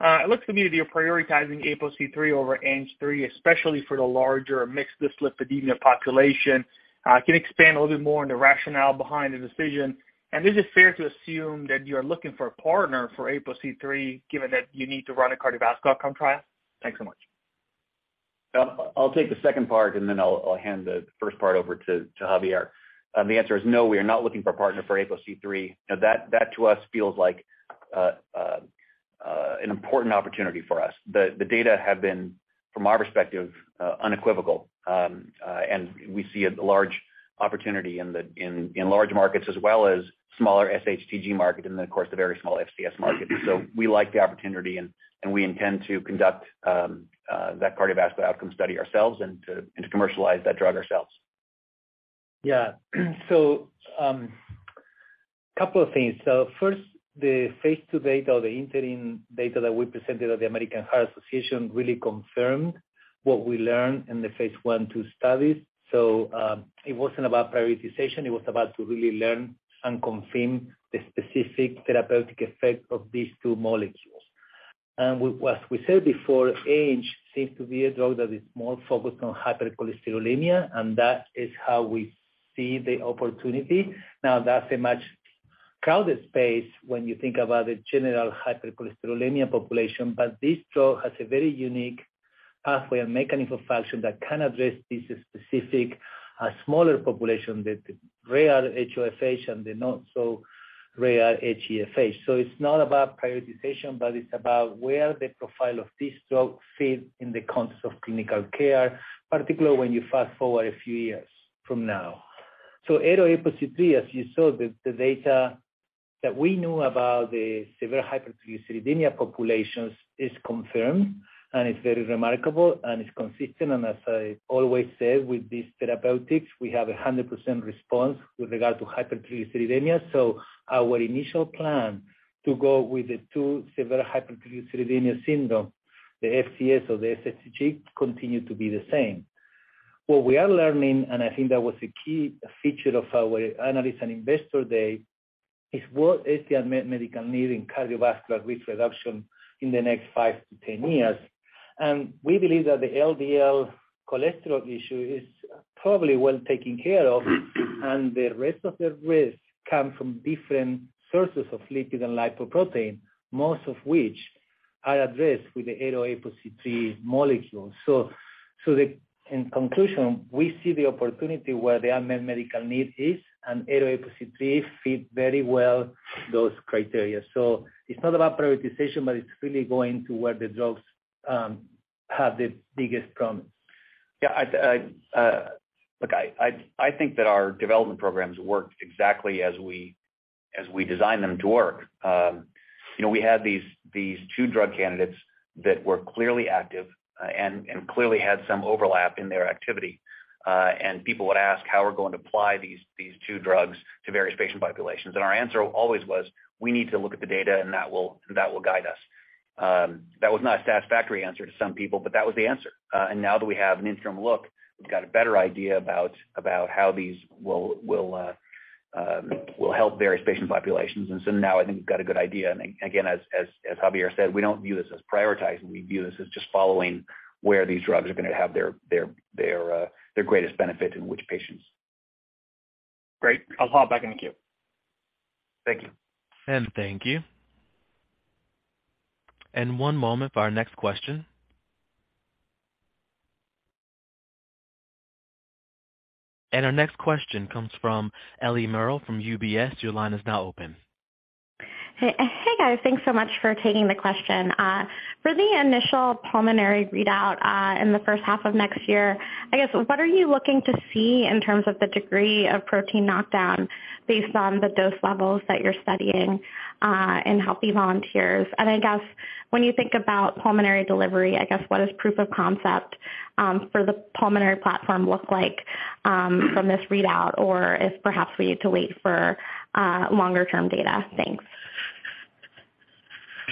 It looks to me that you're prioritizing APOC3 over ANG3, especially for the larger mixed dyslipidemia population. Can you expand a little bit more on the rationale behind the decision? Is it fair to assume that you're looking for a partner for APOC3, given that you need to run a cardiovascular outcomes trial? Thanks so much. I'll take the second part, and then I'll hand the first part over to Javier. The answer is no, we are not looking for a partner for APOC3. You know, that to us feels like an important opportunity for us. The data have been, from our perspective, unequivocal. We see a large opportunity in large markets as well as smaller SHTG market and of course, the very small FCS market. We like the opportunity and we intend to conduct that cardiovascular outcome study ourselves and to commercialize that drug ourselves. Couple of things. First, the phase two data or the interim data that we presented at the American Heart Association really confirmed what we learned in the phase 1/2 studies. It wasn't about prioritization, it was about to really learn and confirm the specific therapeutic effect of these two molecules. As we said before, ANG3 seems to be a drug that is more focused on hypercholesterolemia, and that is how we see the opportunity. That's a much crowded space when you think about the general hypercholesterolemia population. This drug has a very unique pathway and mechanism of action that can address this specific, smaller population, the rare HoFH and the not so rare HeFH. It's not about prioritization, but it's about where the profile of this drug fits in the context of clinical care, particularly when you fast-forward a few years from now. ARO-APOC3, as you saw, the data that we knew about the severe hypertriglyceridemia populations is confirmed, and it's very remarkable, and it's consistent. As I always say, with these therapeutics, we have a 100% response with regard to hypertriglyceridemia. Our initial plan to go with the two severe hypertriglyceridemia syndrome, the FCS or the SHTG, continue to be the same. What we are learning, and I think that was a key feature of our analyst and investor day, is what is the medical need in cardiovascular risk reduction in the next five to 10 years? We believe that the LDL cholesterol issue is probably well taken care of, and the rest of the risk comes from different sources of lipid and lipoprotein, most of which are addressed with the ARO-APOC3 molecule. In conclusion, we see the opportunity where the unmet medical need is, and ARO-APOC3 fit very well those criteria. It's not about prioritization, but it's really going to where the drugs have the biggest problem. Yeah. Look, I think that our development programs worked exactly as we designed them to work. You know, we had these two drug candidates that were clearly active and clearly had some overlap in their activity. People would ask how we're going to apply these two drugs to various patient populations. Our answer always was, we need to look at the data, and that will guide us. That was not a satisfactory answer to some people, but that was the answer. Now that we have an interim look, we've got a better idea about how these will help various patient populations. Now I think we've got a good idea. Again, as Javier said, we don't view this as prioritizing. We view this as just following where these drugs are going to have their greatest benefit in which patients. Great. I'll hop back in the queue. Thank you. Thank you. One moment for our next question. Our next question comes from Eliana Mellerberg from UBS. Your line is now open. Hey, guys. Thanks so much for taking the question. For the initial pulmonary readout, in the first half of next year, I guess what are you looking to see in terms of the degree of protein knockdown based on the dose levels that you're studying, in healthy volunteers? I guess when you think about pulmonary delivery, I guess what does proof of concept for the pulmonary platform look like from this readout? Or if perhaps we need to wait for longer-term data? Thanks.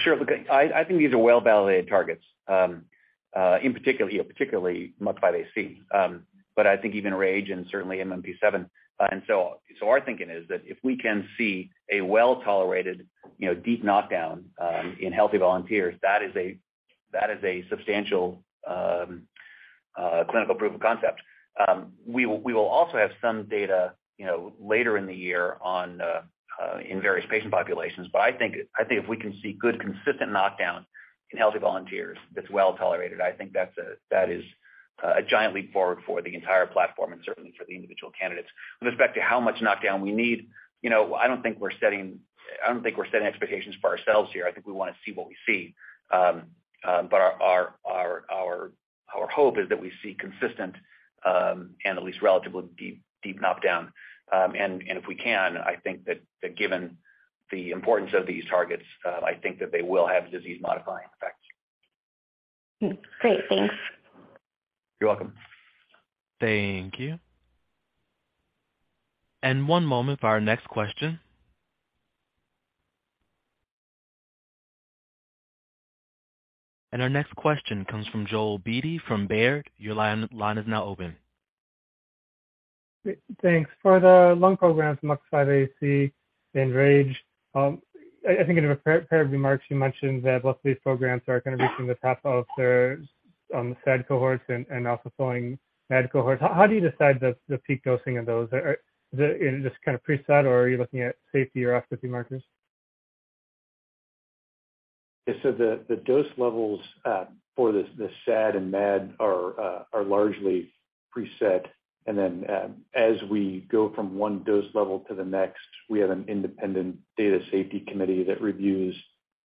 Sure. Look, I think these are well-validated targets. In particular, you know, particularly MUC5AC, but I think even RAGE and certainly MMP7. Our thinking is that if we can see a well-tolerated, you know, deep knockdown in healthy volunteers, that is a substantial clinical proof of concept. We will also have some data, you know, later in the year on in various patient populations. I think if we can see good, consistent knockdown in healthy volunteers that's well-tolerated, I think that is a giant leap forward for the entire platform and certainly for the individual candidates. With respect to how much knockdown we need, you know, I don't think we're setting expectations for ourselves here. I think we want to see what we see. Our hope is that we see consistent, and at least relatively deep knockdown. If we can, I think that given the importance of these targets, I think that they will have disease-modifying effects. Great. Thanks. You're welcome. Thank you. One moment for our next question. Our next question comes from Joel Beatty from Baird. Your line is now open. Thanks. For the lung programs, MUC5AC and RAGE, I think in a prior remarks you mentioned that both these programs are going to be reaching the top of their SAD cohorts and also following MAD cohorts. How do you decide the peak dosing of those? Is it just kind of preset or are you looking at safety or efficacy markers? Yeah. The, the dose levels for the SAD and MAD are largely preset. As we go from one dose level to the next, we have an independent data safety committee that reviews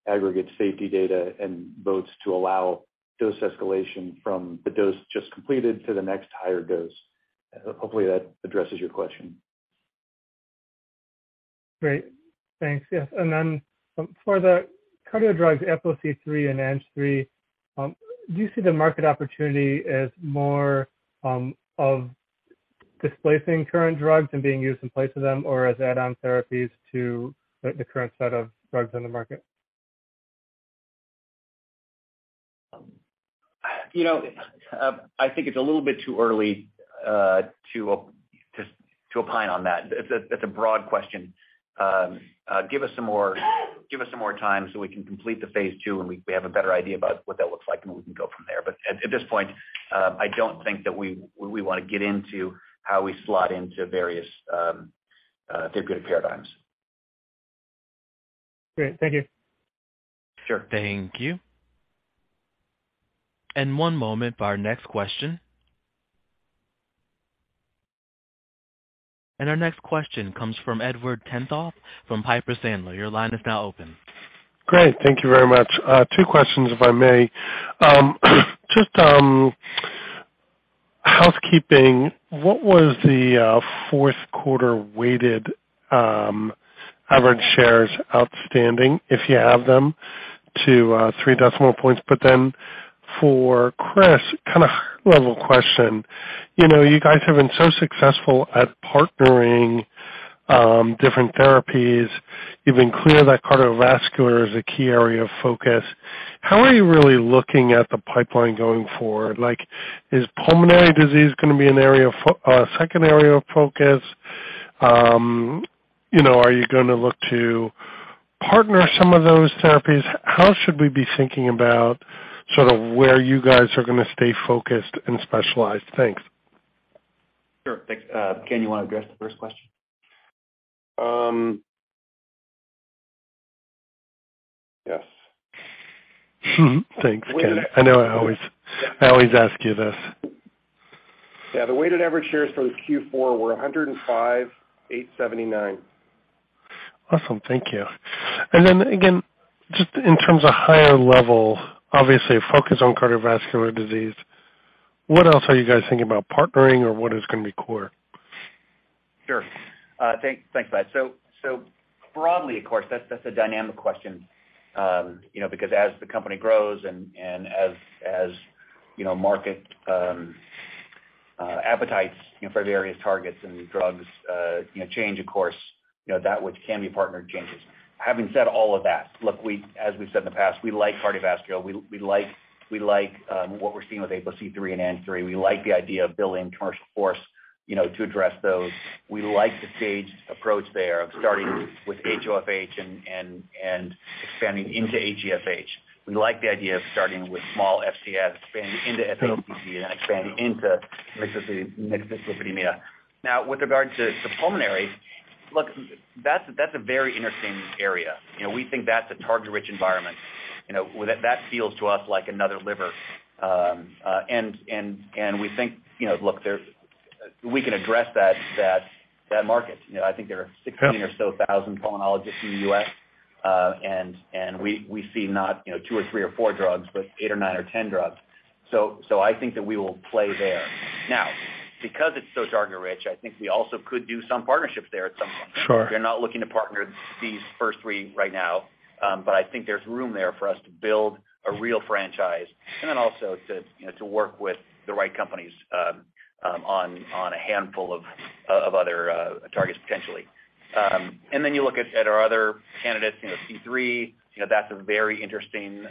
aggregate safety data and votes to allow dose escalation from the dose just completed to the next higher dose. Hopefully that addresses your question. Great. Thanks. Yes. Then for the cardio drugs APOC3 and ANGPTL3, do you see the market opportunity as more of displacing current drugs and being used in place of them, or as add-on therapies to the current set of drugs on the market? You know, I think it's a little bit too early to opine on that. That's a broad question. Give us some more time so we can complete the phase two, and we have a better idea about what that looks like, and we can go from there. At this point, I don't think that we want to get into how we slot into various therapeutic paradigms. Great. Thank you. Sure. Thank you. One moment for our next question. Our next question comes from Edward Tenthoff from Piper Sandler. Your line is now open. Great. Thank you very much. Two questions, if I may. Just housekeeping, what was the fourth quarter weighted average shares outstanding, if you have them to three decimal points? For Chris, kind of high level question. You know, you guys have been so successful at partnering different therapies. You've been clear that cardiovascular is a key area of focus. How are you really looking at the pipeline going forward? Like, is pulmonary disease going to be a second area of focus? You know, are you going to look to partner some of those therapies? How should we be thinking about sort of where you guys are going to stay focused and specialized? Thanks. Sure. Thanks. Ken, you want to address the first question? Yes. Thanks, Ken. I know I always ask you this. Yeah, the weighted average shares for Q4 were 105,879. Awesome. Thank you. Then again, just in terms of higher level, obviously a focus on cardiovascular disease, what else are you guys thinking about partnering or what is going to be core? Sure. Thanks. Thanks for that. Broadly, of course, that's a dynamic question, you know, because as the company grows and as, you know, market appetites, you know, for various targets and drugs, you know, change, of course, you know, that which can be partnered changes. Having said all of that, look, as we've said in the past, we like cardiovascular. We like, what we're seeing with APOC3 and ANGPTL3. We like the idea of building commercial force, you know, to address those. We like the staged approach there of starting with HoFH and expanding into HeFH. We like the idea of starting with small FCS, expanding into LPLD, and then expanding into mixed dyslipidemia. With regard to pulmonary, look, that's a very interesting area. You know, we think that's a target-rich environment. You know, with that feels to us like another liver. And we think, you know, look, there. We can address that market. You know, I think there are 16,000 pulmonologists in the U.S., and we see not, you know, two or three or four drugs, but eight or nine or 10 drugs. I think that we will play there. Now, because it's so target rich, I think we also could do some partnerships there at some point. Sure. We're not looking to partner these first three right now, but I think there's room there for us to build a real franchise and then also to, you know, to work with the right companies, on a handful of other targets potentially. You look at our other candidates, you know, C3, you know, that's a very interesting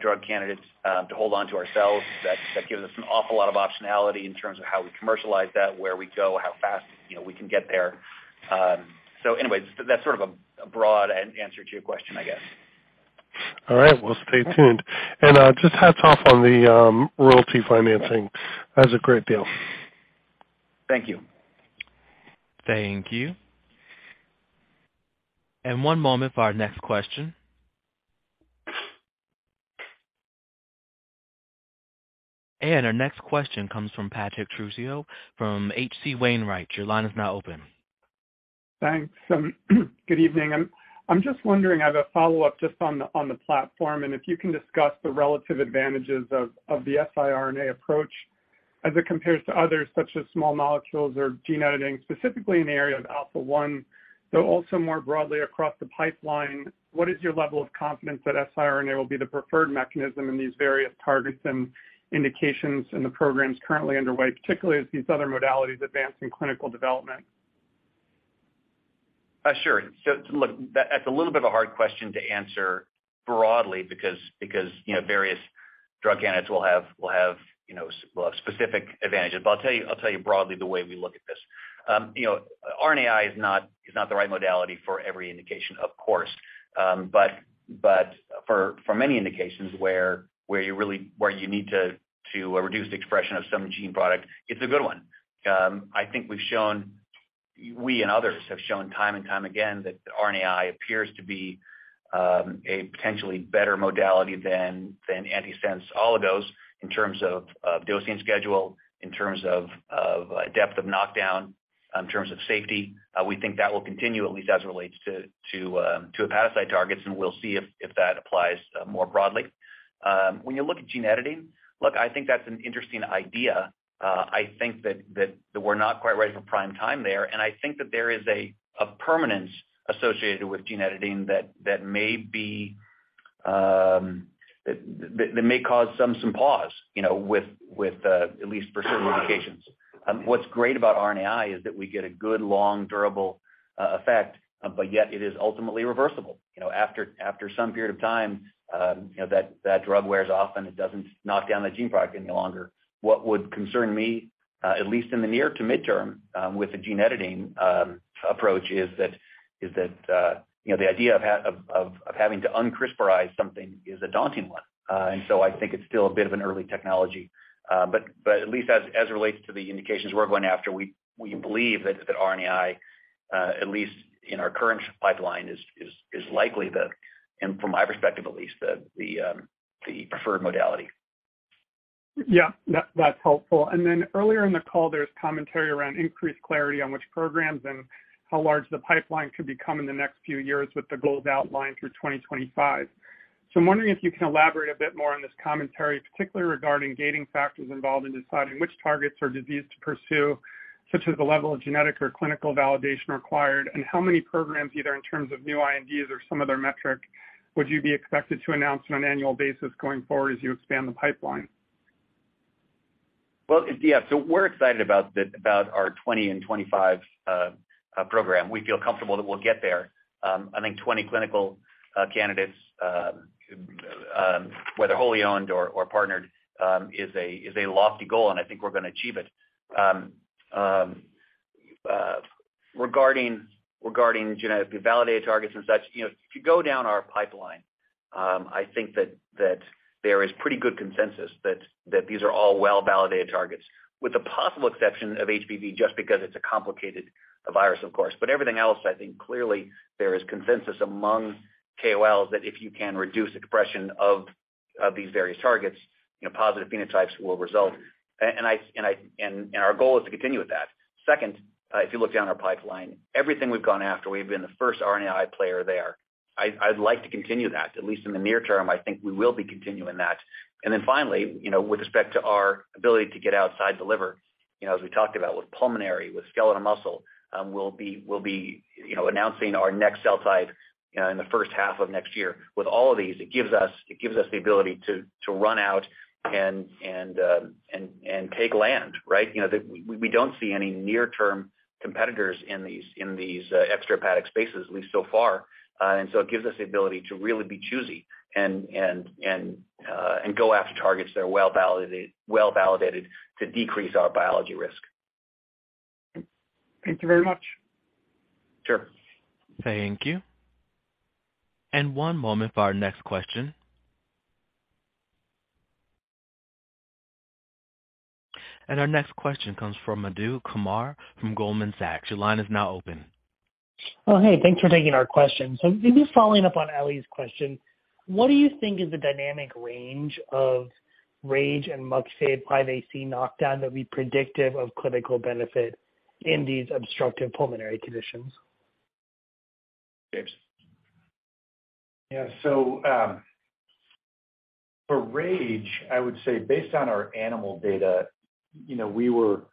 drug candidate to hold onto ourselves. That gives us an awful lot of optionality in terms of how we commercialize that, where we go, how fast, you know, we can get there. Anyways, that's sort of a broad answer to your question, I guess. All right. We'll stay tuned. Just hats off on the royalty financing. That was a great deal. Thank you. Thank you. One moment for our next question. Our next question comes from Patrick Trucchio from H.C. Wainwright. Your line is now open. Thanks. Good evening. I'm just wondering, I have a follow-up just on the platform, and if you can discuss the relative advantages of the siRNA approach as it compares to others, such as small molecules or gene editing, specifically in the area of Alpha-1. Though also more broadly across the pipeline, what is your level of confidence that siRNA will be the preferred mechanism in these various targets and indications in the programs currently underway, particularly as these other modalities advance in clinical development? Sure. Look, that's a little bit of a hard question to answer broadly because, you know, various drug candidates will have, you know, specific advantages. I'll tell you broadly the way we look at this. You know, RNAi is not the right modality for every indication, of course. For many indications where you really, where you need to reduce the expression of some gene product, it's a good one. We and others have shown time and time again that RNAi appears to be a potentially better modality than antisense oligos in terms of dosing schedule, in terms of depth of knockdown, in terms of safety. We think that will continue at least as it relates to hepatocyte targets, and we'll see if that applies more broadly. When you look at gene editing, look, I think that's an interesting idea. I think that we're not quite ready for prime time there, and I think that there is a permanence associated with gene editing that may cause some pause, you know, with, at least for certain indications. What's great about RNAi is that we get a good, long, durable effect, but yet it is ultimately reversible. You know, after some period of time, you know, that drug wears off, and it doesn't knock down the gene product any longer. What would concern me, at least in the near to midterm, with the gene editing approach, you know, the idea of having to un-CRISPR something is a daunting one. I think it's still a bit of an early technology. At least as it relates to the indications we're going after, we believe that RNAi, at least in our current pipeline, is likely and from my perspective at least, the preferred modality. Yeah. That's helpful. Earlier in the call, there was commentary around increased clarity on which programs and how large the pipeline could become in the next few years with the goals outlined through 2025. I'm wondering if you can elaborate a bit more on this commentary, particularly regarding gating factors involved in deciding which targets or disease to pursue, such as the level of genetic or clinical validation required, and how many programs, either in terms of new INDs or some other metric, would you be expected to announce on an annual basis going forward as you expand the pipeline? Well, yeah. We're excited about our 20 and 25 program. We feel comfortable that we'll get there. I think 20 clinical candidates, whether wholly owned or partnered, is a lofty goal, and I think we're going to achieve it. Regarding genetically validated targets and such, you know, if you go down our pipeline, I think there is pretty good consensus that these are all well-validated targets, with the possible exception of HBV, just because it's a complicated virus, of course. Everything else, I think clearly there is consensus among KOLs that if you can reduce expression of these various targets, you know, positive phenotypes will result. Our goal is to continue with that. Second, if you look down our pipeline, everything we've gone after, we've been the first RNAi player there. I'd like to continue that, at least in the near term. I think we will be continuing that. Finally, you know, with respect to our ability to get outside the liver, you know, as we talked about with pulmonary, with skeletal muscle, we'll be, you know, announcing our next cell type, you know, in the first half of next year. With all of these, it gives us the ability to run out and take land, right? You know, we don't see any near-term competitors in these, extrahepatic spaces, at least so far. It gives us the ability to really be choosy and go after targets that are well validated to decrease our biology risk. Thank you very much. Sure. Thank you. one moment for our next question. Our next question comes from Madhu Kumar from Goldman Sachs. Your line is now open. Hey. Thanks for taking our question. Maybe following up on Arlene's question, what do you think is the dynamic range of RAGE and MUC5AC knockdown that would be predictive of clinical benefit in these obstructive pulmonary conditions? James. For RAGE, I would say based on our animal data, you know, we were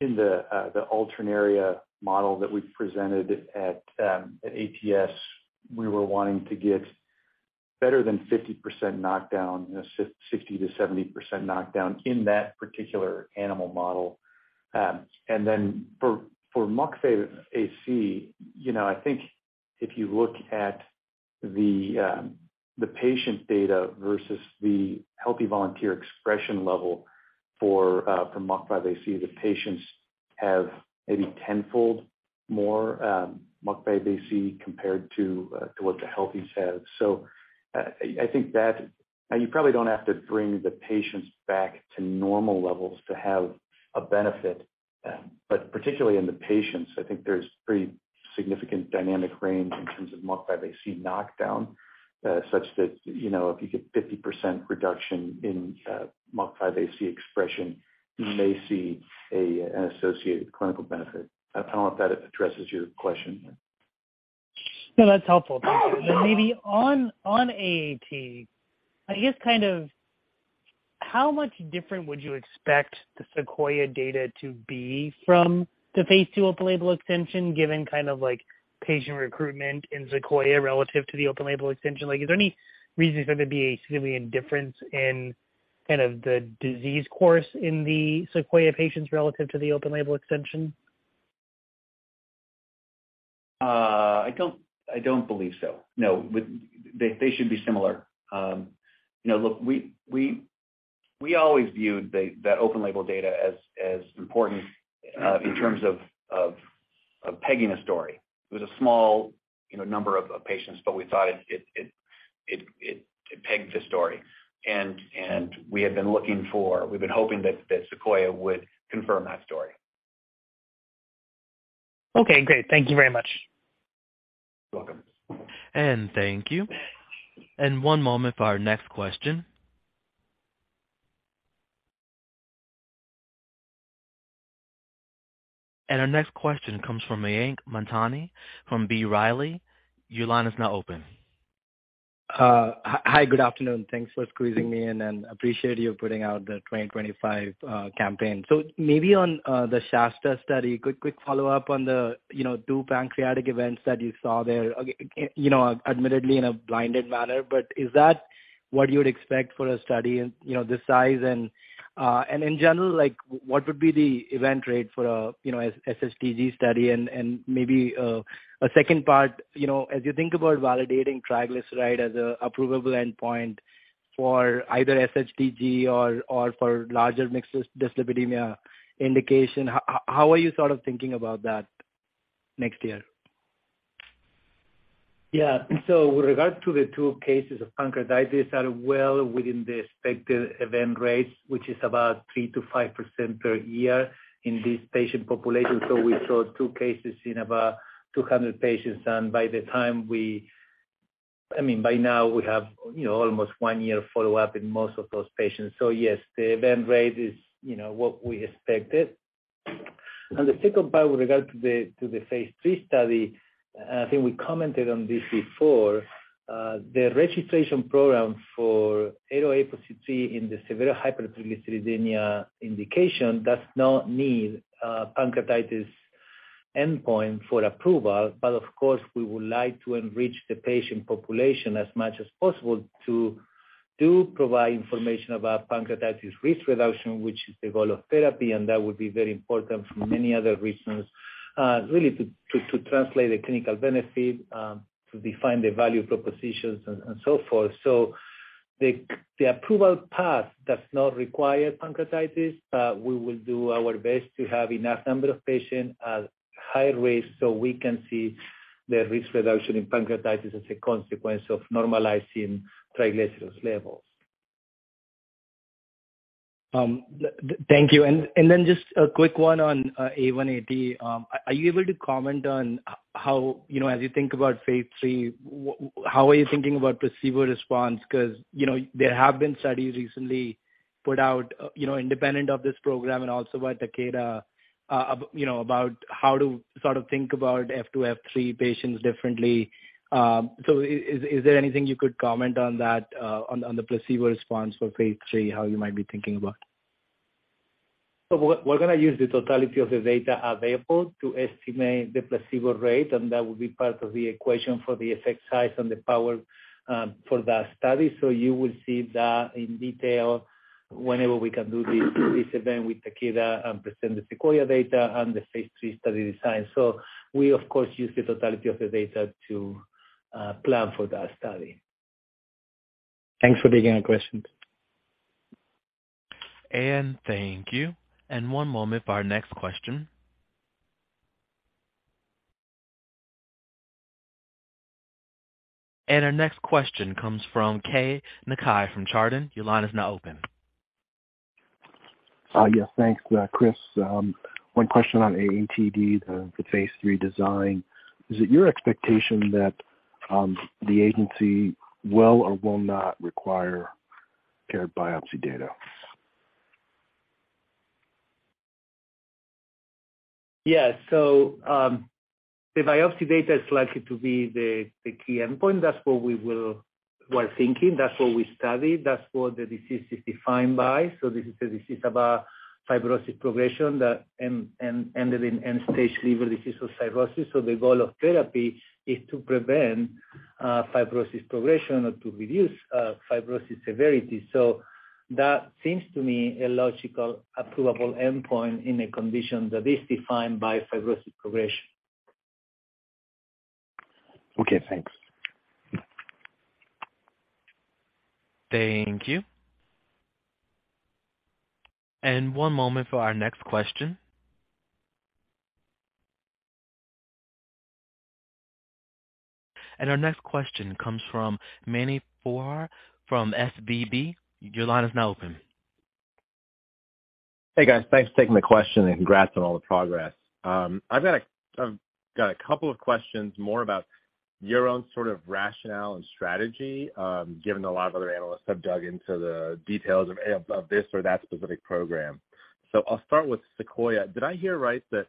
in the Alternaria model that we presented at ATS, we were wanting to get better than 50% knockdown, you know, 60%-70% knockdown in that particular animal model. For MUC5AC, you know, I think if you look at the patient data versus the healthy volunteer expression level for MUC5AC, the patients have maybe tenfold more MUC5AC compared to what the healthies have. I think you probably don't have to bring the patients back to normal levels to have a benefit. particularly in the patients, I think there's pretty significant dynamic range in terms of MUC5AC knockdown, such that, you know, if you get 50% reduction in MUC5AC expression, you may see an associated clinical benefit. I don't know if that addresses your question. No, that's helpful. Thank you. Maybe on AAT, I guess kind of how much different would you expect the SEQUOIA data to be from the phase two open label extension, given kind of like patient recruitment in SEQUOIA relative to the open label extension? Like, is there any reason for there to be a significant difference in kind of the disease course in the SEQUOIA patients relative to the open label extension? I don't believe so. No. They should be similar. you know, look, we always viewed the, that open label data as important, in terms of pegging a story. It was a small, you know, number of patients, but we thought it pegged the story. We've been hoping that SEQUOIA would confirm that story. Okay, great. Thank You very much. You're welcome. Thank you. One moment for our next question. Our next question comes from Mayank Mamtani from B. Riley. Your line is now open. Hi, good afternoon. Thanks for squeezing me in, and appreciate you putting out the 2025 campaign. Maybe on the SHASTA study, quick follow-up on the, you know, two pancreatic events that you saw there. You know, admittedly in a blinded manner, but is that what you would expect for a study in, you know, this size? And in general, like what would be the event rate for a, you know, SHTG study? Maybe a second part, you know, as you think about validating triglyceride as a approvable endpoint for either SHTG or for larger mixed dyslipidemia indication, how are you sort of thinking about that next year? Yeah. With regard to the two cases of pancreatitis are well within the expected event rates, which is about 3%-5% per year in this patient population. We saw two cases in about 200 patients, and by the time I mean, by now, we have, you know, almost one year follow-up in most of those patients. Yes, the event rate is, you know, what we expected. The second part, with regard to the phase three study, I think we commented on this before, the registration program for ARO-APOC3 in the severe hypertriglyceridemia indication does not need a pancreatitis endpoint for approval. Of course, we would like to enrich the patient population as much as possible to provide information about pancreatitis risk reduction, which is the goal of therapy, and that would be very important for many other reasons, really to translate the clinical benefit, to define the value propositions and so forth. The approval path does not require pancreatitis, but we will do our best to have enough number of patients at high risk so we can see the risk reduction in pancreatitis as a consequence of normalizing triglycerides levels. Thank you. Then just a quick one on ARO-AAT. Are you able to comment on how, you know, as you think about phase three, how are you thinking about placebo response? Cause, you know, there have been studies recently put out, you know, independent of this program and also by Takeda, you know, about how to sort of think about F2, F3 patients differently. Is there anything you could comment on that, on the, on the placebo response for phase three, how you might be thinking about it? We're going to use the totality of the data available to estimate the placebo rate, and that will be part of the equation for the effect size and the power for that study. You will see that in detail whenever we can do this event with Takeda and present the SEQUOIA data and the phase three study design. We of course, use the totality of the data to plan for that study. Thanks for taking the question. Thank you. One moment for our next question. Our next question comes from Keay Nakae from Chardan. Your line is now open. Yes. Thanks, Chris. One question on AATD, the phase three design. Is it your expectation that the agency will or will not require paired biopsy data? Yeah. The biopsy data is likely to be the key endpoint. That's what we're thinking. That's what we studied. That's what the disease is defined by. This is a disease about fibrosis progression that ended in end-stage liver disease or cirrhosis. The goal of therapy is to prevent fibrosis progression or to reduce fibrosis severity. That seems to me a logical approvable endpoint in a condition that is defined by fibrosis progression. Okay, thanks. Thank you. One moment for our next question. Our next question comes from Mani Foroohar from SVB Securities. Your line is now open. Hey, guys. Thanks for taking the question and congrats on all the progress. I've got a couple of questions more about your own sort of rationale and strategy, given a lot of other analysts have dug into the details of this or that specific program. I'll start with SEQUOIA. Did I hear right that,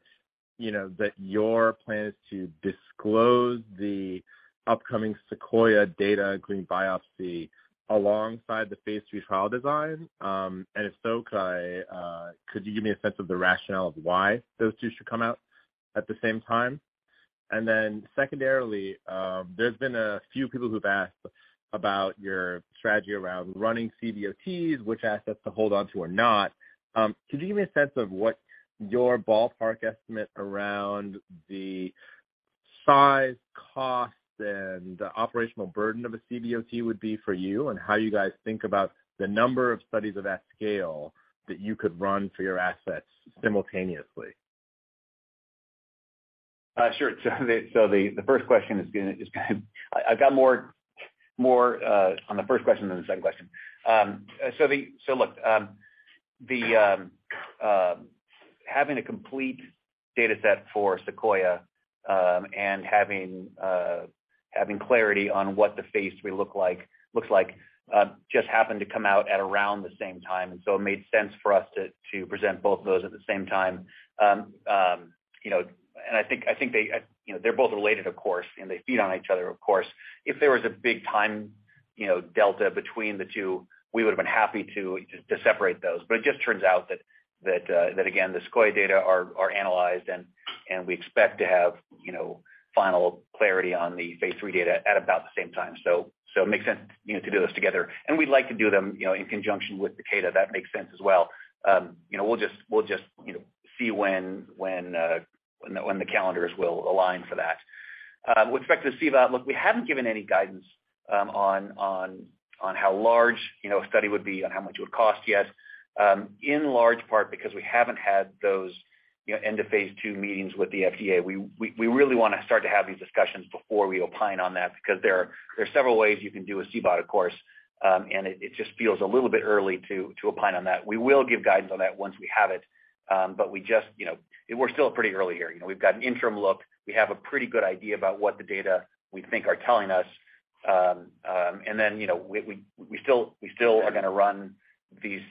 you know, that your plan is to disclose the upcoming SEQUOIA data including biopsy alongside the phase three trial design? If so, could you give me a sense of the rationale of why those two should come out at the same time? Secondarily, there's been a few people who've asked about your strategy around running CVOTs, which assets to hold onto or not. Could you give me a sense of what your ballpark estimate around the size, cost, and operational burden of a CVOT would be for you, and how you guys think about the number of studies of that scale that you could run for your assets simultaneously? Sure. So the first question is going to. I've got more on the first question than the second question. Look, having a complete data set for SEQUOIA, and having clarity on what the phase three looks like, just happened to come out at around the same time. It made sense for us to present both of those at the same time. You know, I think they, you know, they're both related, of course, and they feed on each other, of course. If there was a big time, you know, delta between the two, we would have been happy to separate those. It just turns out that again, the SEQUOIA data are analyzed and we expect to have, you know, final clarity on the phase three data at about the same time. It makes sense, you know, to do this together, and we'd like to do them, you know, in conjunction with Takeda. That makes sense as well. You know, we'll just, you know, see when the, when the calendars will align for that. With respect to the CVOT, look, we haven't given any guidance on how large, you know, a study would be and how much it would cost yet, in large part because we haven't had those, you know, end of phase two meetings with the FDA. We really want to start to have these discussions before we opine on that because there are several ways you can do a CVOT, of course, it just feels a little bit early to opine on that. We will give guidance on that once we have it, we just, you know. We're still pretty early here. You know, we've got an interim look. We have a pretty good idea about what the data we think are telling us. Then, you know, we still are going to run these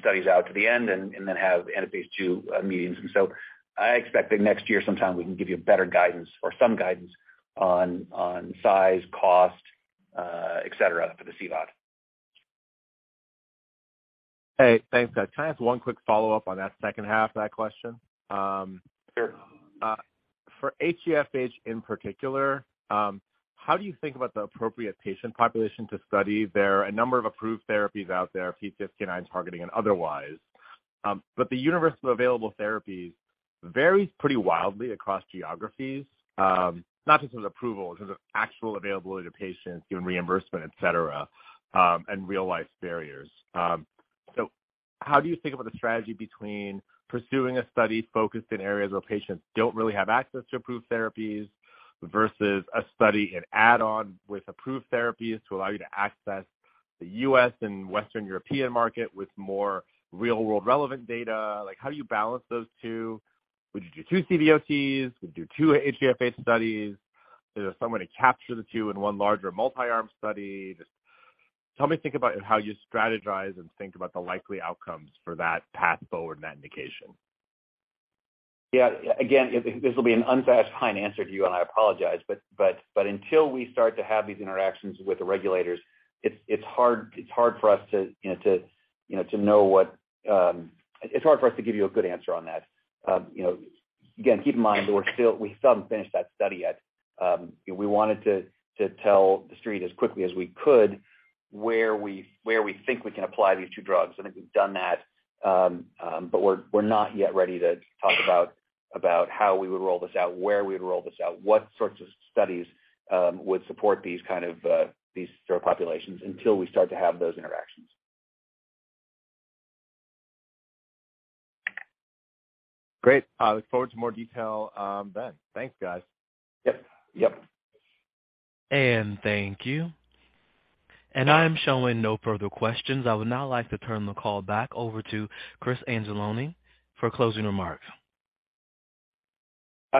studies out to the end and then have end of phase two meetings. I expect that next year sometime we can give you better guidance or some guidance on size, cost, et cetera, for the CVOT. Hey, thanks, guys. Can I ask one quick follow-up on that second half of that question? Sure. For HeFH in particular, how do you think about the appropriate patient population to study? There are a number of approved therapies out there, PCSK9 and I'm targeting and otherwise. The universe of available therapies varies pretty wildly across geographies, not just in terms of approval, in terms of actual availability to patients, given reimbursement, et cetera, and real-life barriers. How do you think about the strategy between pursuing a study focused in areas where patients don't really have access to approved therapies versus a study an add-on with approved therapies to allow you to access the U.S. and Western European market with more real-world relevant data? Like how do you balance those two? Would you do two CVOTs? Would you do two HeFH studies? Is there some way to capture the two in one larger multi-arm study? Just help me think about how you strategize and think about the likely outcomes for that path forward in that indication. Yeah. Again, this will be an unsatisfying answer to you, I apologize, but until we start to have these interactions with the regulators, it's hard for us to, you know, to know what. It's hard for us to give you a good answer on that. You know, again, keep in mind that we still haven't finished that study yet. We wanted to tell the street as quickly as we could where we think we can apply these two drugs, and I think we've done that. We're not yet ready to talk about how we would roll this out, where we'd roll this out, what sorts of studies would support these kind of, these sort of populations until we start to have those interactions. Great. I look forward to more detail on that. Thanks, guys. Yep. Yep. Thank you. I'm showing no further questions. I would now like to turn the call back over to Vince Anzalone for closing remarks.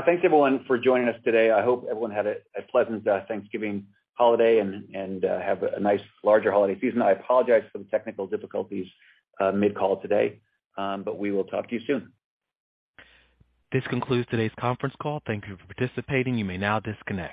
Thanks everyone for joining us today. I hope everyone had a pleasant Thanksgiving holiday and have a nice larger holiday season. I apologize for the technical difficulties mid-call today. We will talk to you soon. This concludes today's conference call. Thank you for participating. You may now disconnect.